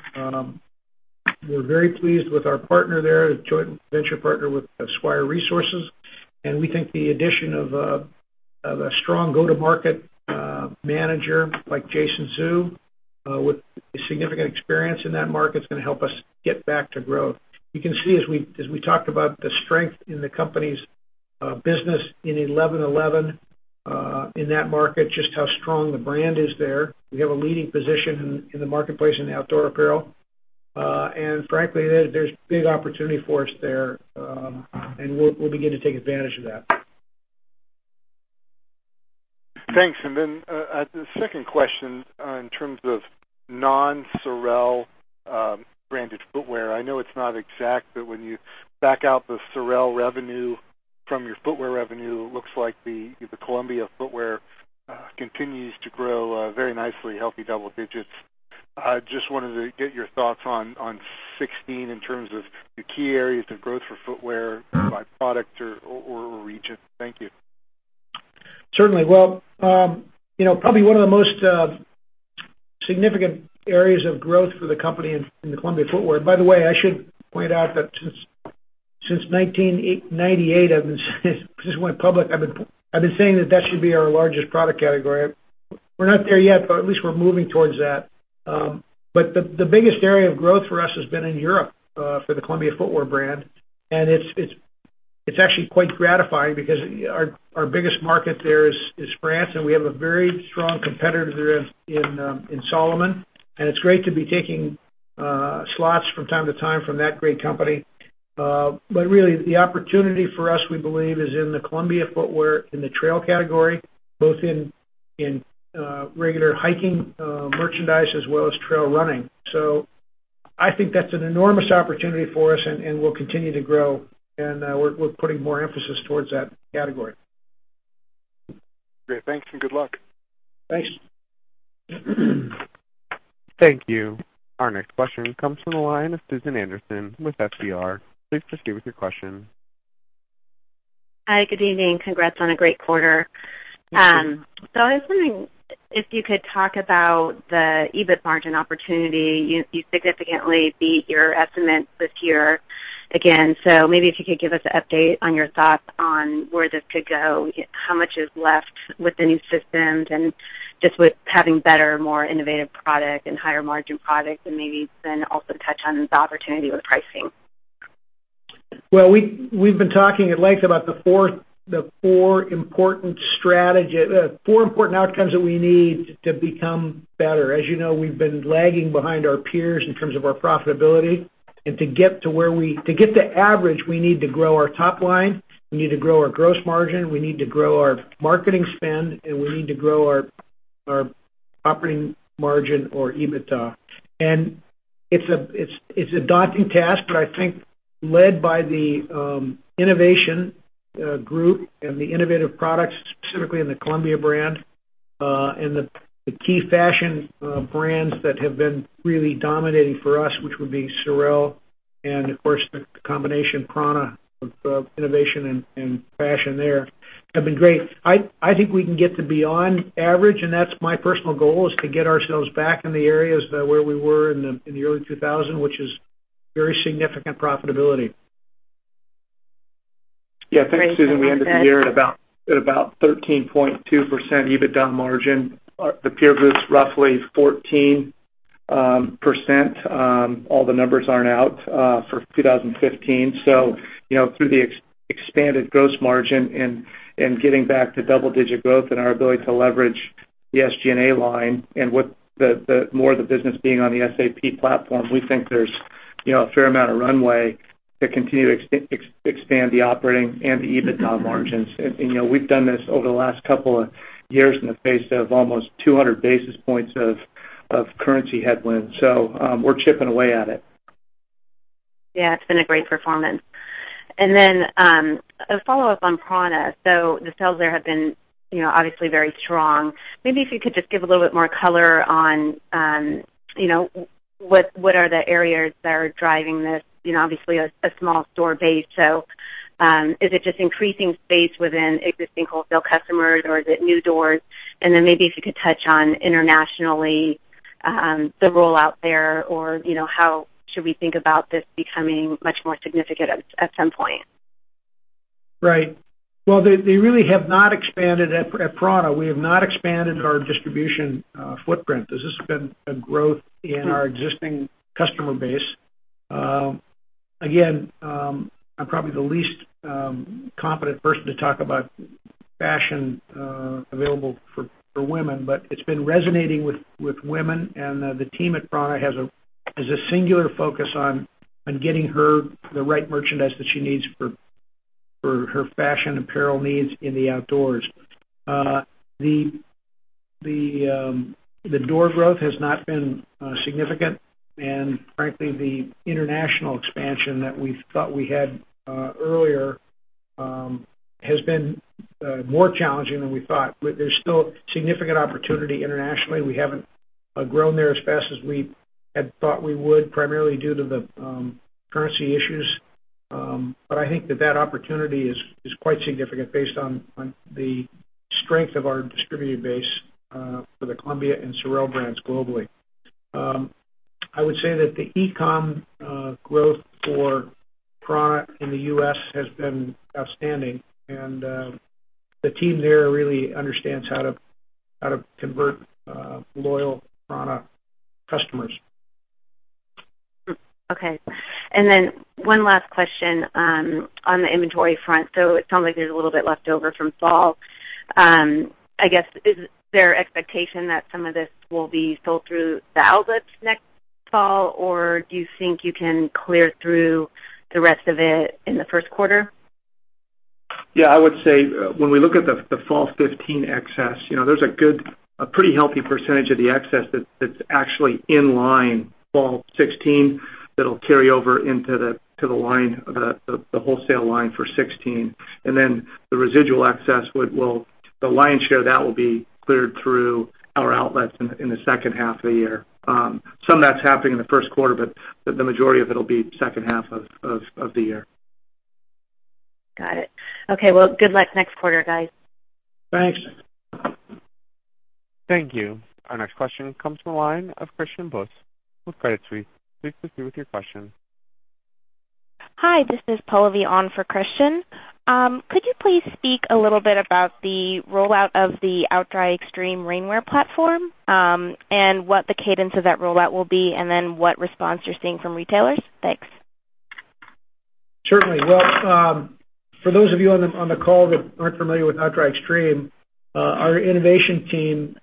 We're very pleased with our partner there, the joint venture partner with Swire Resources. We think the addition of a strong go-to-market manager, like Jason Zhu, with significant experience in that market, is going to help us get back to growth. You can see, as we talked about the strength in the company's business in 11.11 in that market, just how strong the brand is there. We have a leading position in the marketplace in outdoor apparel. Frankly, there's big opportunity for us there, and we'll begin to take advantage of that. Thanks. The second question, in terms of non-SOREL branded footwear, I know it's not exact, but when you back out the SOREL revenue from your footwear revenue, it looks like the Columbia footwear continues to grow very nicely, healthy double digits. I just wanted to get your thoughts on 2016 in terms of the key areas of growth for footwear by product or region. Thank you. Certainly. Probably one of the most significant areas of growth for the company in the Columbia footwear. By the way, I should point out that since 1998, since we went public, I've been saying that that should be our largest product category. We're not there yet, but at least we're moving towards that. The biggest area of growth for us has been in Europe for the Columbia footwear brand. It's actually quite gratifying because our biggest market there is France, and we have a very strong competitor there in Salomon. It's great to be taking slots from time to time from that great company. Really, the opportunity for us, we believe, is in the Columbia footwear in the trail category, both in regular hiking merchandise as well as trail running. I think that's an enormous opportunity for us, and we'll continue to grow and we're putting more emphasis towards that category. Great. Thanks and good luck. Thanks. Thank you. Our next question comes from the line of Susan Anderson with FBR. Please proceed with your question. Hi, good evening. Congrats on a great quarter. Thank you. I was wondering if you could talk about the EBIT margin opportunity. You significantly beat your estimate this year again. Maybe if you could give us an update on your thoughts on where this could go, how much is left with the new systems, and just with having better, more innovative product and higher margin product, and maybe then also touch on the opportunity with pricing. We've been talking at length about the four important outcomes that we need to become better. As you know, we've been lagging behind our peers in terms of our profitability. To get to average, we need to grow our top line, we need to grow our gross margin, we need to grow our marketing spend, and we need to grow our operating margin or EBITDA. It's a daunting task, but I think led by the innovation group and the innovative products, specifically in the Columbia brand, and the key fashion brands that have been really dominating for us, which would be SOREL and, of course, the combination prAna with innovation and fashion there have been great. I think we can get to beyond average, that's my personal goal, is to get ourselves back in the areas where we were in the early 2000, which is very significant profitability. Thanks, Susan. We ended the year at about 13.2% EBITDA margin. The peer group's roughly 14%. All the numbers aren't out for 2015. Through the expanded gross margin and getting back to double-digit growth and our ability to leverage the SG&A line and with more of the business being on the SAP platform, we think there's a fair amount of runway to continue to expand the operating and the EBITDA margins. We've done this over the last couple of years in the face of almost 200 basis points of currency headwind. We're chipping away at it. It's been a great performance. A follow-up on prAna. The sales there have been obviously very strong. Maybe if you could just give a little bit more color on what are the areas that are driving this. Obviously, a small store base. Is it just increasing space within existing wholesale customers, or is it new doors? Maybe if you could touch on internationally, the rollout there or how should we think about this becoming much more significant at some point? Right. Well, they really have not expanded at prAna. We have not expanded our distribution footprint. This has been a growth in our existing customer base. Again, I'm probably the least competent person to talk about fashion available for women, but it's been resonating with women, and the team at prAna has a singular focus on getting her the right merchandise that she needs for her fashion apparel needs in the outdoors. The door growth has not been significant, and frankly, the international expansion that we thought we had earlier has been more challenging than we thought. There's still significant opportunity internationally. We haven't grown there as fast as we had thought we would, primarily due to the currency issues. I think that that opportunity is quite significant based on the strength of our distributor base for the Columbia and SOREL brands globally. I would say that the e-com growth for prAna in the U.S. has been outstanding, and the team there really understands how to convert loyal prAna customers. Okay. One last question, on the inventory front. It sounds like there's a little bit left over from fall. I guess, is there expectation that some of this will be sold through the outlets next fall, or do you think you can clear through the rest of it in the first quarter? Yeah, I would say when we look at the fall 2015 excess, there's a pretty healthy percentage of the excess that's actually in line fall 2016 that'll carry over into the wholesale line for 2016. The residual excess, the lion's share, that will be cleared through our outlets in the second half of the year. Some of that's happening in the first quarter, but the majority of it'll be second half of the year. Got it. Okay. Good luck next quarter, guys. Thanks. Thank you. Our next question comes from the line of Christian Buss with Credit Suisse. Please proceed with your question. Hi, this is Pallavi on for Christian. Could you please speak a little bit about the rollout of the OutDry Extreme rainwear platform, what the cadence of that rollout will be, what response you're seeing from retailers? Thanks. Certainly. For those of you on the call that aren't familiar with OutDry Extreme, our innovation team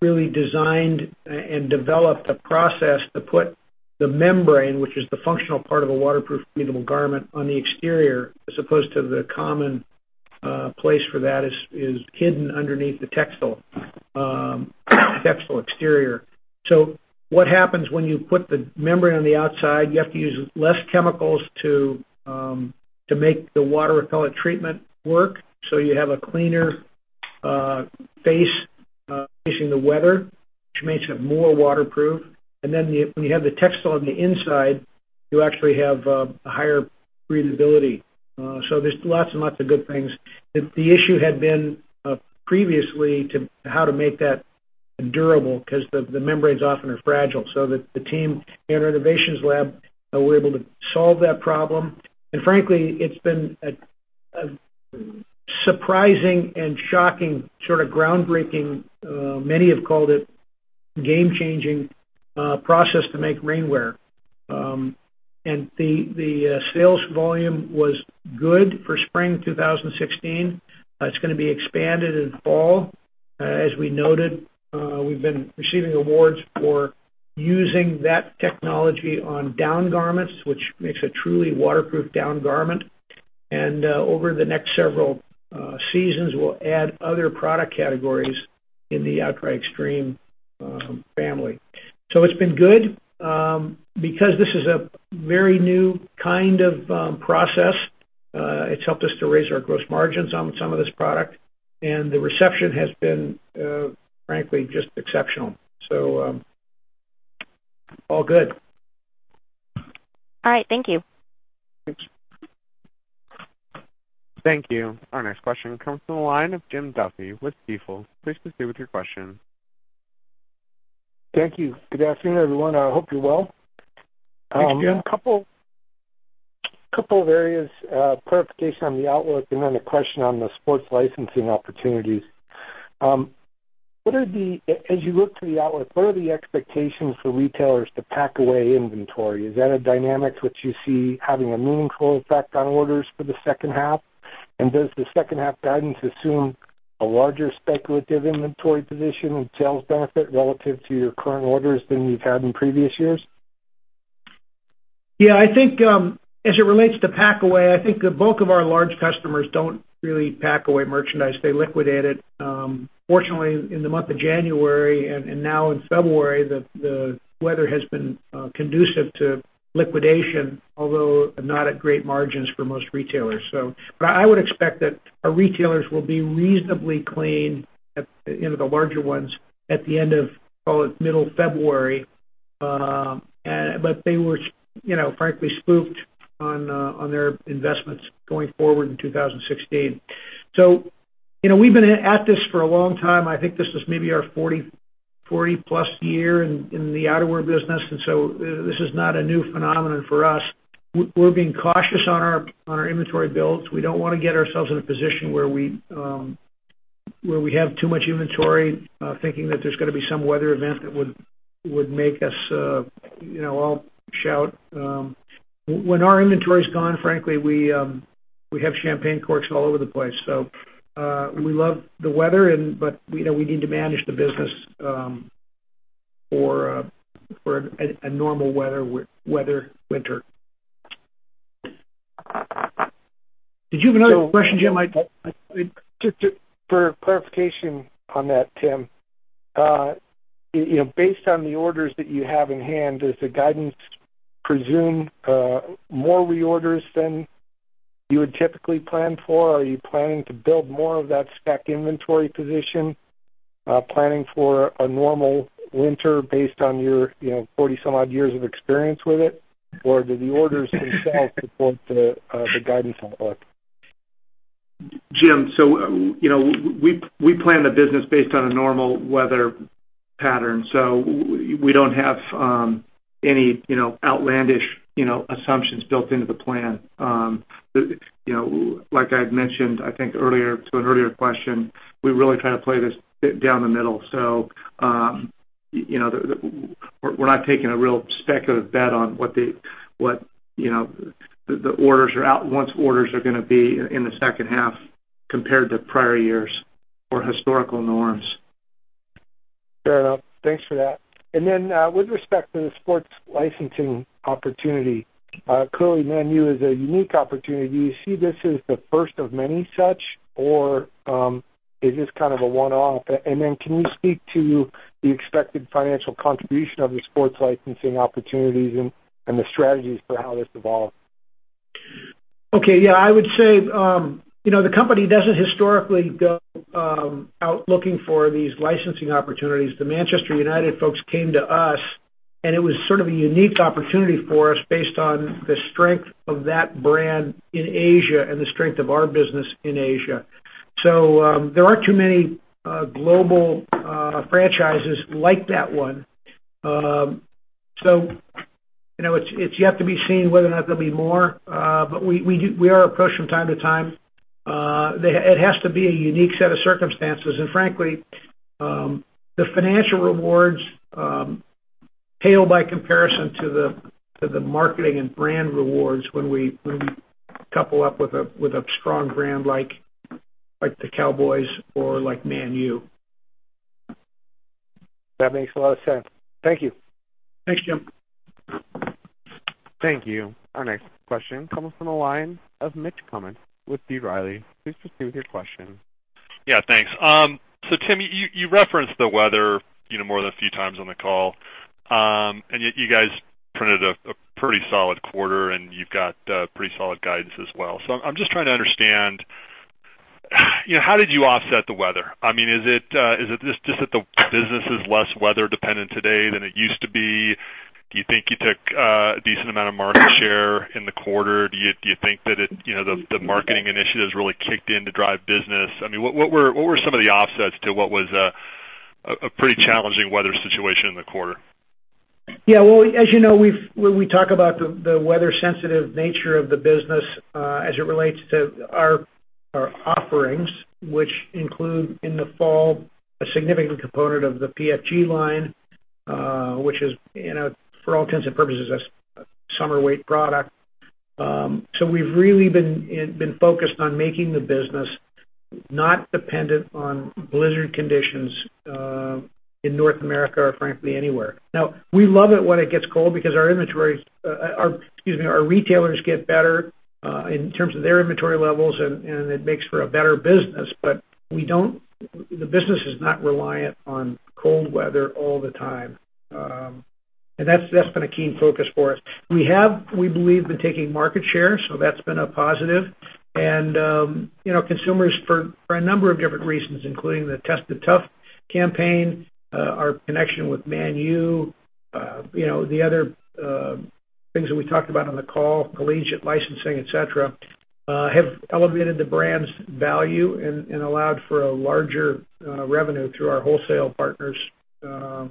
really designed and developed a process to put the membrane, which is the functional part of a waterproof, breathable garment, on the exterior, as opposed to the common place for that is hidden underneath the textile exterior. What happens when you put the membrane on the outside, you have to use less chemicals to make the water repellent treatment work. You have a cleaner face facing the weather, which makes it more waterproof. When you have the textile on the inside, you actually have a higher breathability. There's lots and lots of good things. The issue had been previously how to make that durable because the membranes often are fragile. The team in our innovations lab were able to solve that problem. Frankly, it's been a surprising and shocking sort of groundbreaking, many have called it game-changing, process to make rainwear. The sales volume was good for spring 2016. It's going to be expanded in fall. As we noted, we've been receiving awards for using that technology on down garments, which makes a truly waterproof down garment. Over the next several seasons, we'll add other product categories in the OutDry Extreme family. It's been good. Because this is a very new kind of process, it's helped us to raise our gross margins on some of this product, the reception has been, frankly, just exceptional. All good. All right. Thank you. Thanks. Thank you. Our next question comes from the line of Jim Duffy with Stifel. Please proceed with your question. Thank you. Good afternoon, everyone. I hope you're well. Thanks, Jim. A couple of areas. Clarification on the outlook, then a question on the sports licensing opportunities. As you look to the outlook, what are the expectations for retailers to pack away inventory? Is that a dynamic which you see having a meaningful effect on orders for the second half? Does the second half guidance assume a larger speculative inventory position and sales benefit relative to your current orders than you've had in previous years? Yeah, as it relates to pack away, I think the bulk of our large customers don't really pack away merchandise. They liquidate it. Fortunately, in the month of January and now in February, the weather has been conducive to liquidation, although not at great margins for most retailers. I would expect that our retailers will be reasonably clean, the larger ones, at the end of, call it, middle February. They were frankly spooked on their investments going forward in 2016. We've been at this for a long time. I think this is maybe our 40-plus year in the outerwear business, this is not a new phenomenon for us. We're being cautious on our inventory builds. We don't want to get ourselves in a position where we have too much inventory, thinking that there's going to be some weather event that would make us all shout. When our inventory's gone, frankly, we have champagne corks all over the place. We love the weather, we need to manage the business for a normal weather winter. Did you have another question, Jim? Just for clarification on that, Tim. Based on the orders that you have in hand, does the guidance presume more reorders than you would typically plan for? Are you planning to build more of that spec inventory position, planning for a normal winter based on your 40 some odd years of experience with it? Do the orders themselves support the guidance on the outlook? Jim, we plan the business based on a normal weather pattern. We don't have any outlandish assumptions built into the plan. Like I've mentioned, I think to an earlier question, we really try to play this down the middle. We're not taking a real speculative bet on what the orders are out, once orders are going to be in the second half compared to prior years or historical norms. Fair enough. Thanks for that. Then, with respect to the sports licensing opportunity, clearly, Man U is a unique opportunity. Do you see this as the first of many such, or is this kind of a one-off? Then can you speak to the expected financial contribution of the sports licensing opportunities and the strategies for how this evolved? Okay. Yeah, I would say, the company doesn't historically go out looking for these licensing opportunities. The Manchester United folks came to us, it was sort of a unique opportunity for us based on the strength of that brand in Asia and the strength of our business in Asia. There aren't too many global franchises like that one. It's yet to be seen whether or not there'll be more. But we are approached from time to time. It has to be a unique set of circumstances. Frankly, the financial rewards pale by comparison to the marketing and brand rewards when we couple up with a strong brand like the Cowboys or like Man U. That makes a lot of sense. Thank you. Thanks, Jim. Thank you. Our next question comes from the line of Mitch Kummetz with B. Riley. Please proceed with your question. Yeah. Thanks. Tim, you referenced the weather more than a few times on the call. Yet you guys printed a pretty solid quarter, and you've got pretty solid guidance as well. I'm just trying to understand, how did you offset the weather? I mean, is it just that the business is less weather dependent today than it used to be? Do you think you took a decent amount of market share in the quarter? Do you think that the marketing initiatives really kicked in to drive business? I mean, what were some of the offsets to what was a pretty challenging weather situation in the quarter? Yeah. Well, as you know, when we talk about the weather sensitive nature of the business as it relates to our offerings, which include, in the fall, a significant component of the PFG line, which is, for all intents and purposes, a summer weight product. We've really been focused on making the business not dependent on blizzard conditions in North America or frankly, anywhere. Now, we love it when it gets cold because our retailers get better in terms of their inventory levels and it makes for a better business. The business is not reliant on cold weather all the time. That's been a key focus for us. We have, we believe, been taking market share, so that's been a positive. Consumers, for a number of different reasons, including the Tested Tough campaign, our connection with Man U, the other things that we talked about on the call, collegiate licensing, et cetera, have elevated the brand's value and allowed for a larger revenue through our wholesale partners, to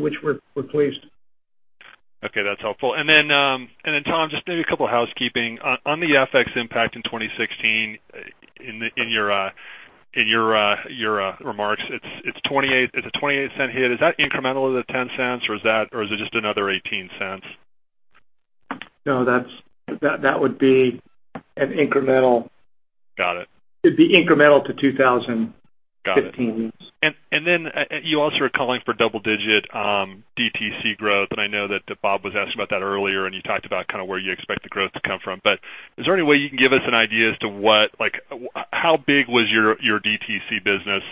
which we're pleased. Okay, that's helpful. Tom, just maybe a couple housekeeping. On the FX impact in 2016, in your remarks, it's a 28% hit. Is that incremental of the $0.10, or is it just another $0.18? No, that would be an incremental- Got it. It'd be incremental to 2015. Got it. You also are calling for double-digit DTC growth, and I know that Bob was asking about that earlier, and you talked about where you expect the growth to come from. Is there any way you can give us an idea as to how big was your DTC business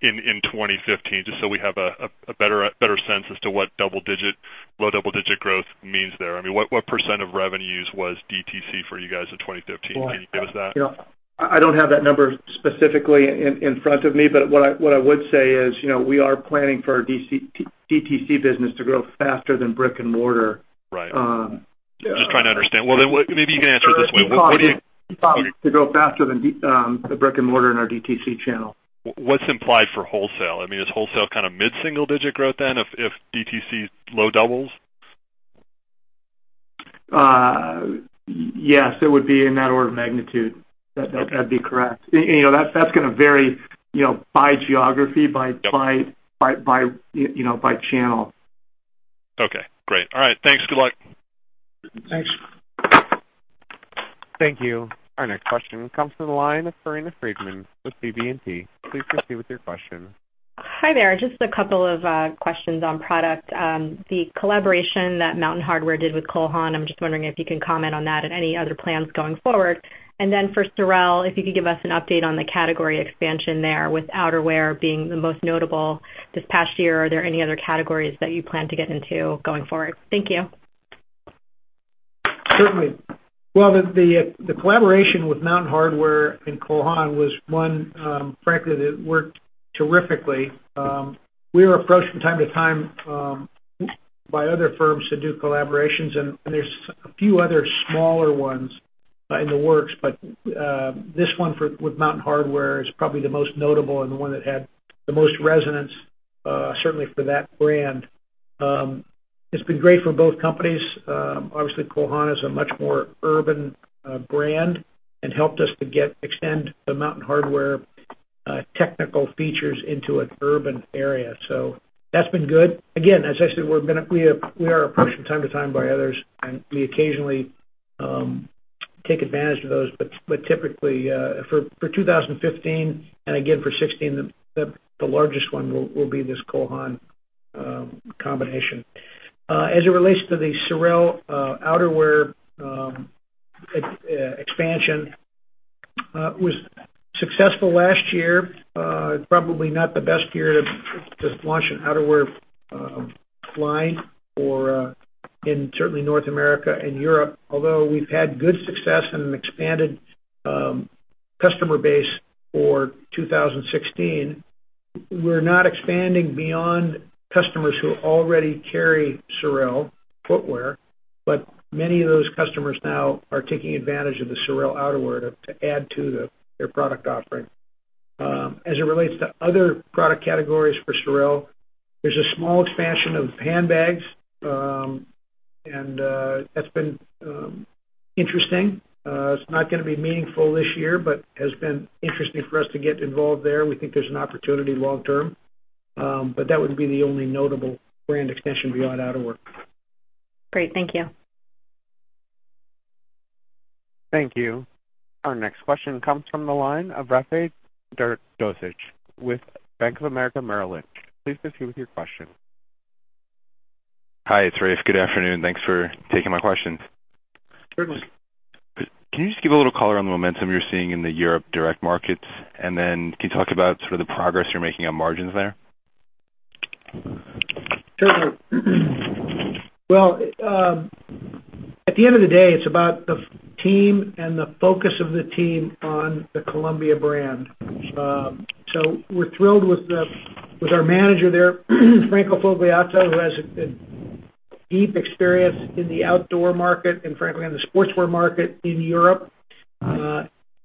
in 2015, just so we have a better sense as to what low double-digit growth means there? I mean, what % of revenues was DTC for you guys in 2015? Can you give us that? I don't have that number specifically in front of me, what I would say is, we are planning for our DTC business to grow faster than brick and mortar. Right. Just trying to understand. To grow faster than the brick and mortar in our DTC channel. What's implied for wholesale? I mean, is wholesale kind of mid-single digit growth if DTC's low doubles? Yes, it would be in that order of magnitude. Okay. That'd be correct. That's going to vary by geography, by channel. Okay, great. All right, thanks. Good luck. Thanks. Thank you. Our next question comes to the line of Corinna Freedman with BB&T. Please proceed with your question. Hi there. Just a couple of questions on product. The collaboration that Mountain Hardwear did with Cole Haan, I'm just wondering if you can comment on that and any other plans going forward. Then for SOREL, if you could give us an update on the category expansion there with outerwear being the most notable this past year. Are there any other categories that you plan to get into going forward? Thank you. Certainly. The collaboration with Mountain Hardwear and Cole Haan was one, frankly, that worked terrifically. We were approached from time to time by other firms to do collaborations, and there's a few other smaller ones in the works. This one with Mountain Hardwear is probably the most notable and the one that had the most resonance, certainly for that brand. It's been great for both companies. Obviously, Cole Haan is a much more urban brand and helped us to extend the Mountain Hardwear technical features into an urban area. That's been good. Again, as I said, we are approached from time to time by others, and we occasionally take advantage of those. Typically, for 2015 and again for 2016, the largest one will be this Cole Haan combination. As it relates to the SOREL outerwear expansion, it was successful last year. Probably not the best year to launch an outerwear line in certainly North America and Europe, although we've had good success in an expanded customer base for 2016. We're not expanding beyond customers who already carry SOREL footwear, but many of those customers now are taking advantage of the SOREL outerwear to add to their product offering. As it relates to other product categories for SOREL, there's a small expansion of handbags, and that's been interesting. It's not going to be meaningful this year, but has been interesting for us to get involved there. We think there's an opportunity long term. That would be the only notable brand extension beyond outerwear. Great. Thank you. Thank you. Our next question comes from the line of Rafe Jadrosich, with Bank of America Merrill Lynch. Please proceed with your question. Hi, it's Rafe. Good afternoon. Thanks for taking my questions. Certainly. Can you just give a little color on the momentum you're seeing in the Europe direct markets? Then can you talk about sort of the progress you're making on margins there? Sure. At the end of the day, it's about the team and the focus of the team on the Columbia brand. We're thrilled with our manager there, Franco Fogliato, who has a deep experience in the outdoor market and frankly in the sportswear market in Europe.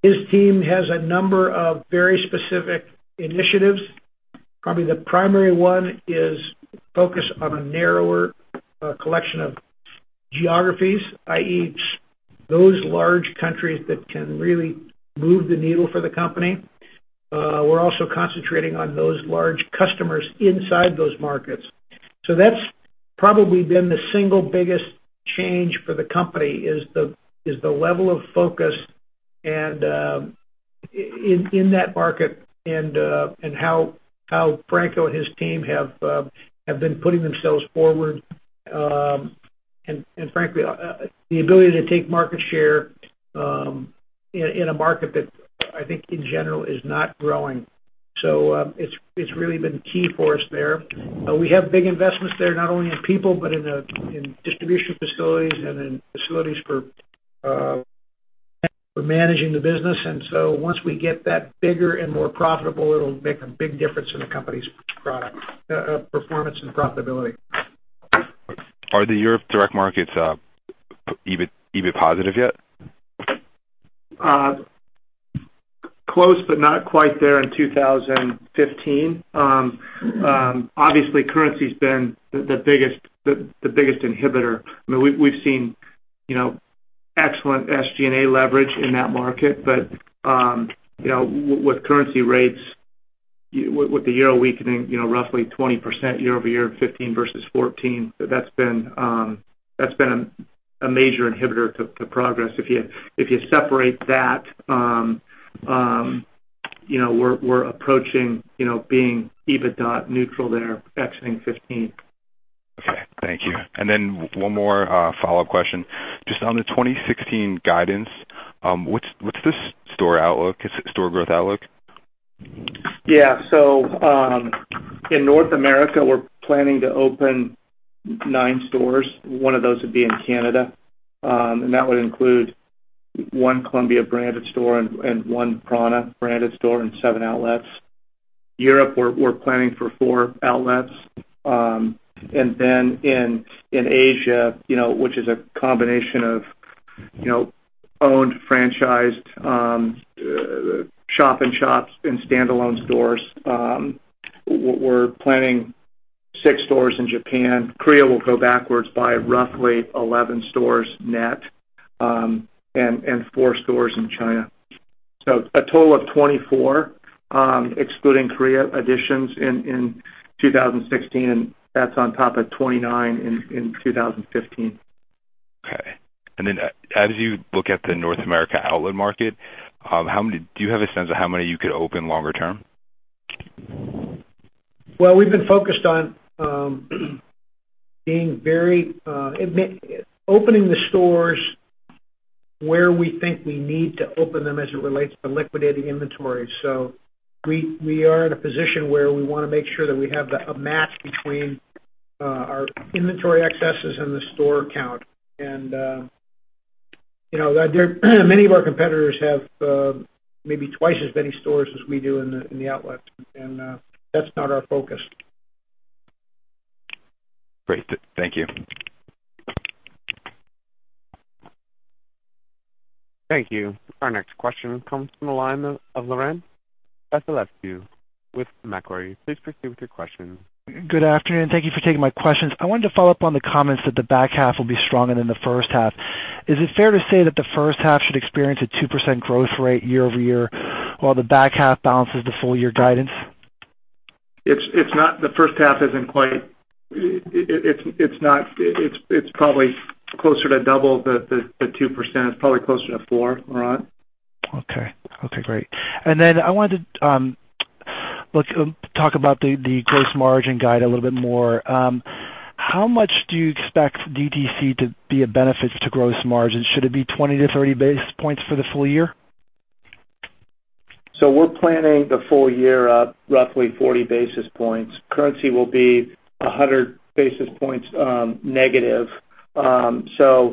His team has a number of very specific initiatives. Probably the primary one is focus on a narrower collection of geographies, i.e., those large countries that can really move the needle for the company. We're also concentrating on those large customers inside those markets. That's- Probably been the single biggest change for the company is the level of focus in that market and how Franco and his team have been putting themselves forward. Frankly, the ability to take market share in a market that, I think, in general, is not growing. It's really been key for us there. We have big investments there, not only in people but in distribution facilities and in facilities for managing the business. Once we get that bigger and more profitable, it'll make a big difference in the company's performance and profitability. Are the Europe direct markets EBIT positive yet? Close, not quite there in 2015. Obviously, currency's been the biggest inhibitor. We've seen excellent SG&A leverage in that market. With currency rates, with the euro weakening roughly 20% year-over-year in 2015 versus 2014, that's been a major inhibitor to progress. If you separate that, we're approaching being EBITDA neutral there exiting 2015. Okay. Thank you. One more follow-up question. Just on the 2016 guidance, what's the store outlook? Store growth outlook? Yeah. In North America, we're planning to open nine stores. One of those would be in Canada, and that would include one Columbia branded store and one prAna branded store and seven outlets. Europe, we're planning for four outlets. In Asia, which is a combination of owned, franchised shop-in-shops and standalone stores, we're planning six stores in Japan. Korea will go backwards by roughly 11 stores net, and four stores in China. A total of 24, excluding Korea additions in 2016, and that's on top of 29 in 2015. Okay. As you look at the North America outlet market, do you have a sense of how many you could open longer term? Well, we've been focused on opening the stores where we think we need to open them as it relates to liquidating inventory. We are in a position where we want to make sure that we have a match between our inventory excesses and the store count. Many of our competitors have maybe twice as many stores as we do in the outlets, and that's not our focus. Great. Thank you. Thank you. Our next question comes from the line of Laurent Vasilescu with Macquarie. Please proceed with your question. Good afternoon. Thank you for taking my questions. I wanted to follow up on the comments that the back half will be stronger than the first half. Is it fair to say that the first half should experience a 2% growth rate year-over-year, while the back half balances the full year guidance? It's probably closer to double the 2%. It's probably closer to four, Laurent. Okay. Great. I wanted to talk about the gross margin guide a little bit more. How much do you expect DTC to be a benefit to gross margins? Should it be 20 to 30 basis points for the full year? We're planning the full year up roughly 40 basis points. Currency will be 100 basis points negative. The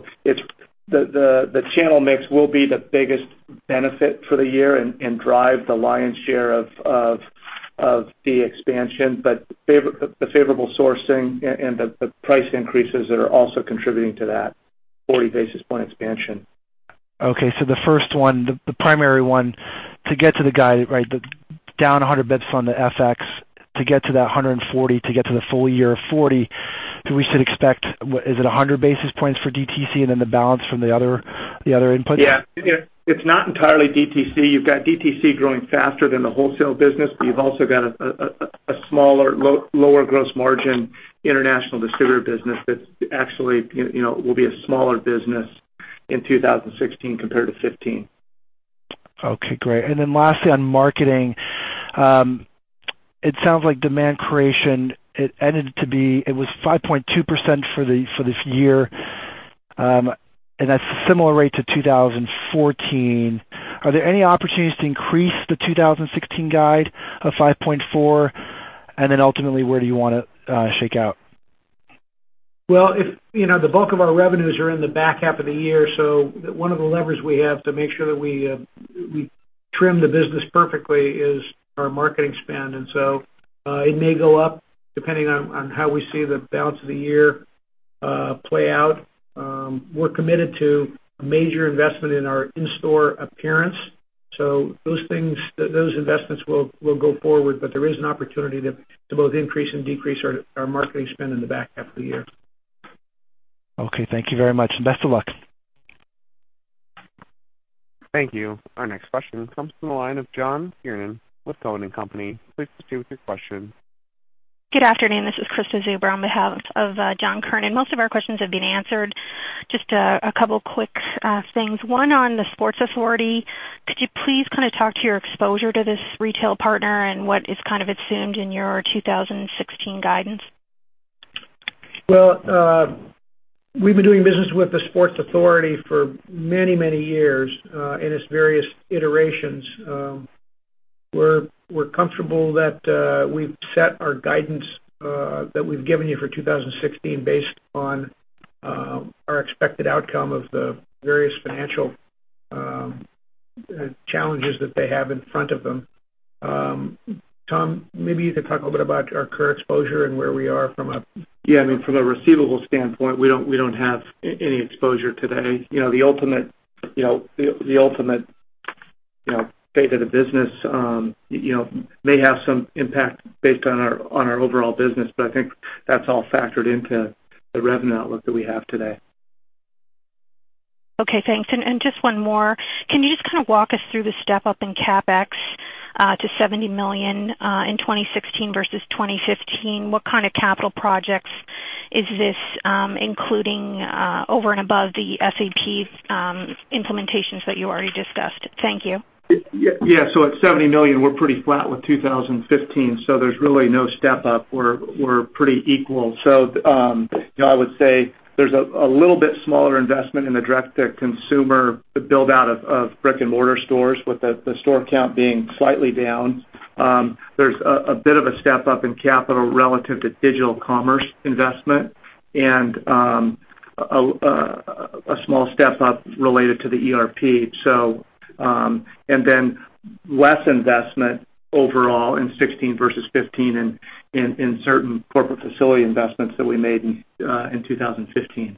channel mix will be the biggest benefit for the year and drive the lion's share of the expansion. The favorable sourcing and the price increases are also contributing to that 40 basis point expansion. Okay. The first one, the primary one, to get to the guide, down 100 basis points on the FX, to get to that 140 to get to the full year of 40, we should expect, is it 100 basis points for DTC the balance from the other inputs? Yeah. It's not entirely DTC. You've got DTC growing faster than the wholesale business, you've also got a smaller, lower gross margin international distributor business that actually will be a smaller business in 2016 compared to 2015. Okay, great. Lastly, on marketing. It sounds like demand creation, it was 5.2% for this year, and that is similar rate to 2014. Are there any opportunities to increase the 2016 guide of 5.4%? Ultimately, where do you want to shake out? The bulk of our revenues are in the back half of the year. One of the levers we have to make sure that we trim the business perfectly is our marketing spend. It may go up depending on how we see the balance of the year play out. We are committed to a major investment in our in-store appearance. Those investments will go forward, but there is an opportunity to both increase and decrease our marketing spend in the back half of the year. Okay. Thank you very much. Best of luck. Thank you. Our next question comes from the line of John Kernan with Cowen and Company. Please proceed with your question. Good afternoon. This is Krista Zuber on behalf of John Kernan. Most of our questions have been answered. Just a couple quick things. One on the Sports Authority. Could you please talk to your exposure to this retail partner and what is assumed in your 2016 guidance? Well, we've been doing business with the Sports Authority for many, many years, in its various iterations. We're comfortable that we've set our guidance that we've given you for 2016 based on our expected outcome of the various financial challenges that they have in front of them. Tom, maybe you could talk a little bit about our current exposure and where we are. Yeah, from a receivable standpoint, we don't have any exposure today. The ultimate fate of the business may have some impact based on our overall business. I think that's all factored into the revenue outlook that we have today. Okay, thanks. Just one more. Can you just walk us through the step-up in CapEx to $70 million in 2016 versus 2015? What kind of capital projects is this including over and above the SAP implementations that you already discussed? Thank you. At $70 million, we're pretty flat with 2015, there's really no step-up. We're pretty equal. I would say there's a little bit smaller investment in the direct-to-consumer build-out of brick-and-mortar stores with the store count being slightly down. There's a bit of a step-up in capital relative to digital commerce investment and a small step-up related to the ERP. Less investment overall in 2016 versus 2015 in certain corporate facility investments that we made in 2015.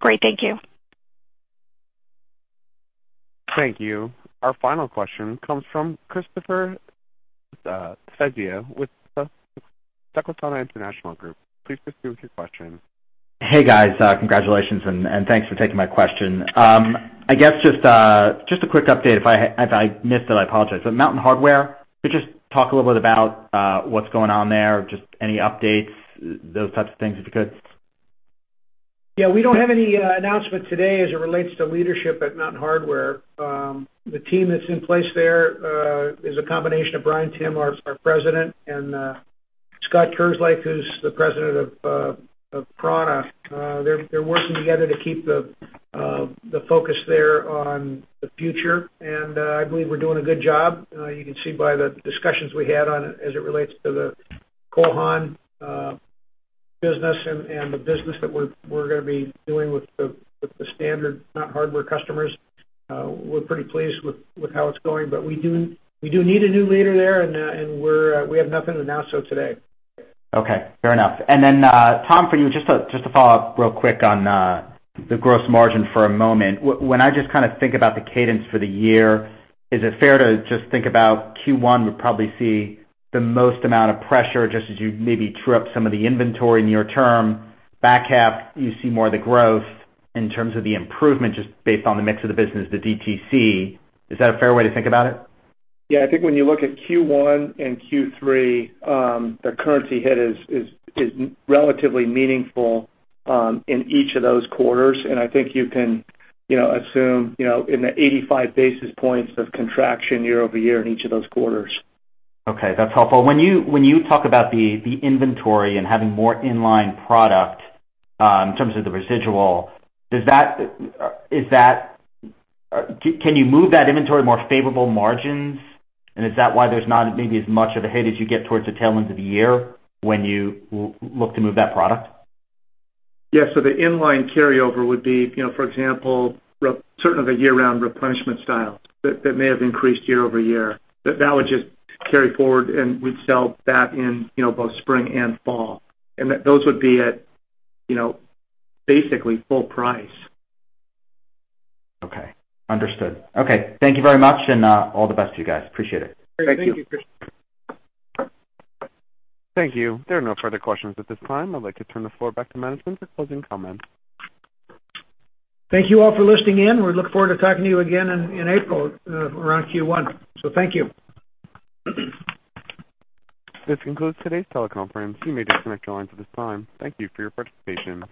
Great. Thank you. Thank you. Our final question comes from Christopher Svezia with Susquehanna International Group. Please proceed with your question. Hey, guys. Congratulations and thanks for taking my question. A quick update. If I missed it, I apologize. Mountain Hardwear, could you just talk a little bit about what's going on there, any updates, those types of things, if you could? Yeah. We don't have any announcement today as it relates to leadership at Mountain Hardwear. The team that's in place there is a combination of Bryan Timm, our President, and Scott Kerslake, who's the President of prAna. I believe we're doing a good job. You can see by the discussions we had on it as it relates to the Cole Haan business and the business that we're going to be doing with the standard Mountain Hardwear customers. We're pretty pleased with how it's going, but we do need a new leader there. We have nothing to announce though today. Okay. Fair enough. Tom, for you, just to follow up real quick on the gross margin for a moment. When I just think about the cadence for the year, is it fair to just think about Q1 would probably see the most amount of pressure just as you maybe true up some of the inventory near term, back half, you see more of the growth in terms of the improvement just based on the mix of the business, the DTC. Is that a fair way to think about it? Yeah, I think when you look at Q1 and Q3, the currency hit is relatively meaningful in each of those quarters. I think you can assume in the 85 basis points of contraction year-over-year in each of those quarters. Okay, that's helpful. When you talk about the inventory and having more in-line product in terms of the residual, can you move that inventory more favorable margins? Is that why there's not maybe as much of a hit as you get towards the tail end of the year when you look to move that product? Yeah, the in-line carryover would be, for example, sort of a year-round replenishment style that may have increased year-over-year. That would just carry forward, and we'd sell that in both spring and fall. Those would be at basically full price. Okay. Understood. Okay. Thank you very much, and all the best to you guys. Appreciate it. Thank you. Thank you, Chris. Thank you. There are no further questions at this time. I'd like to turn the floor back to management for closing comments. Thank you all for listening in. We look forward to talking to you again in April around Q1. Thank you. This concludes today's teleconference. You may disconnect your lines at this time. Thank you for your participation.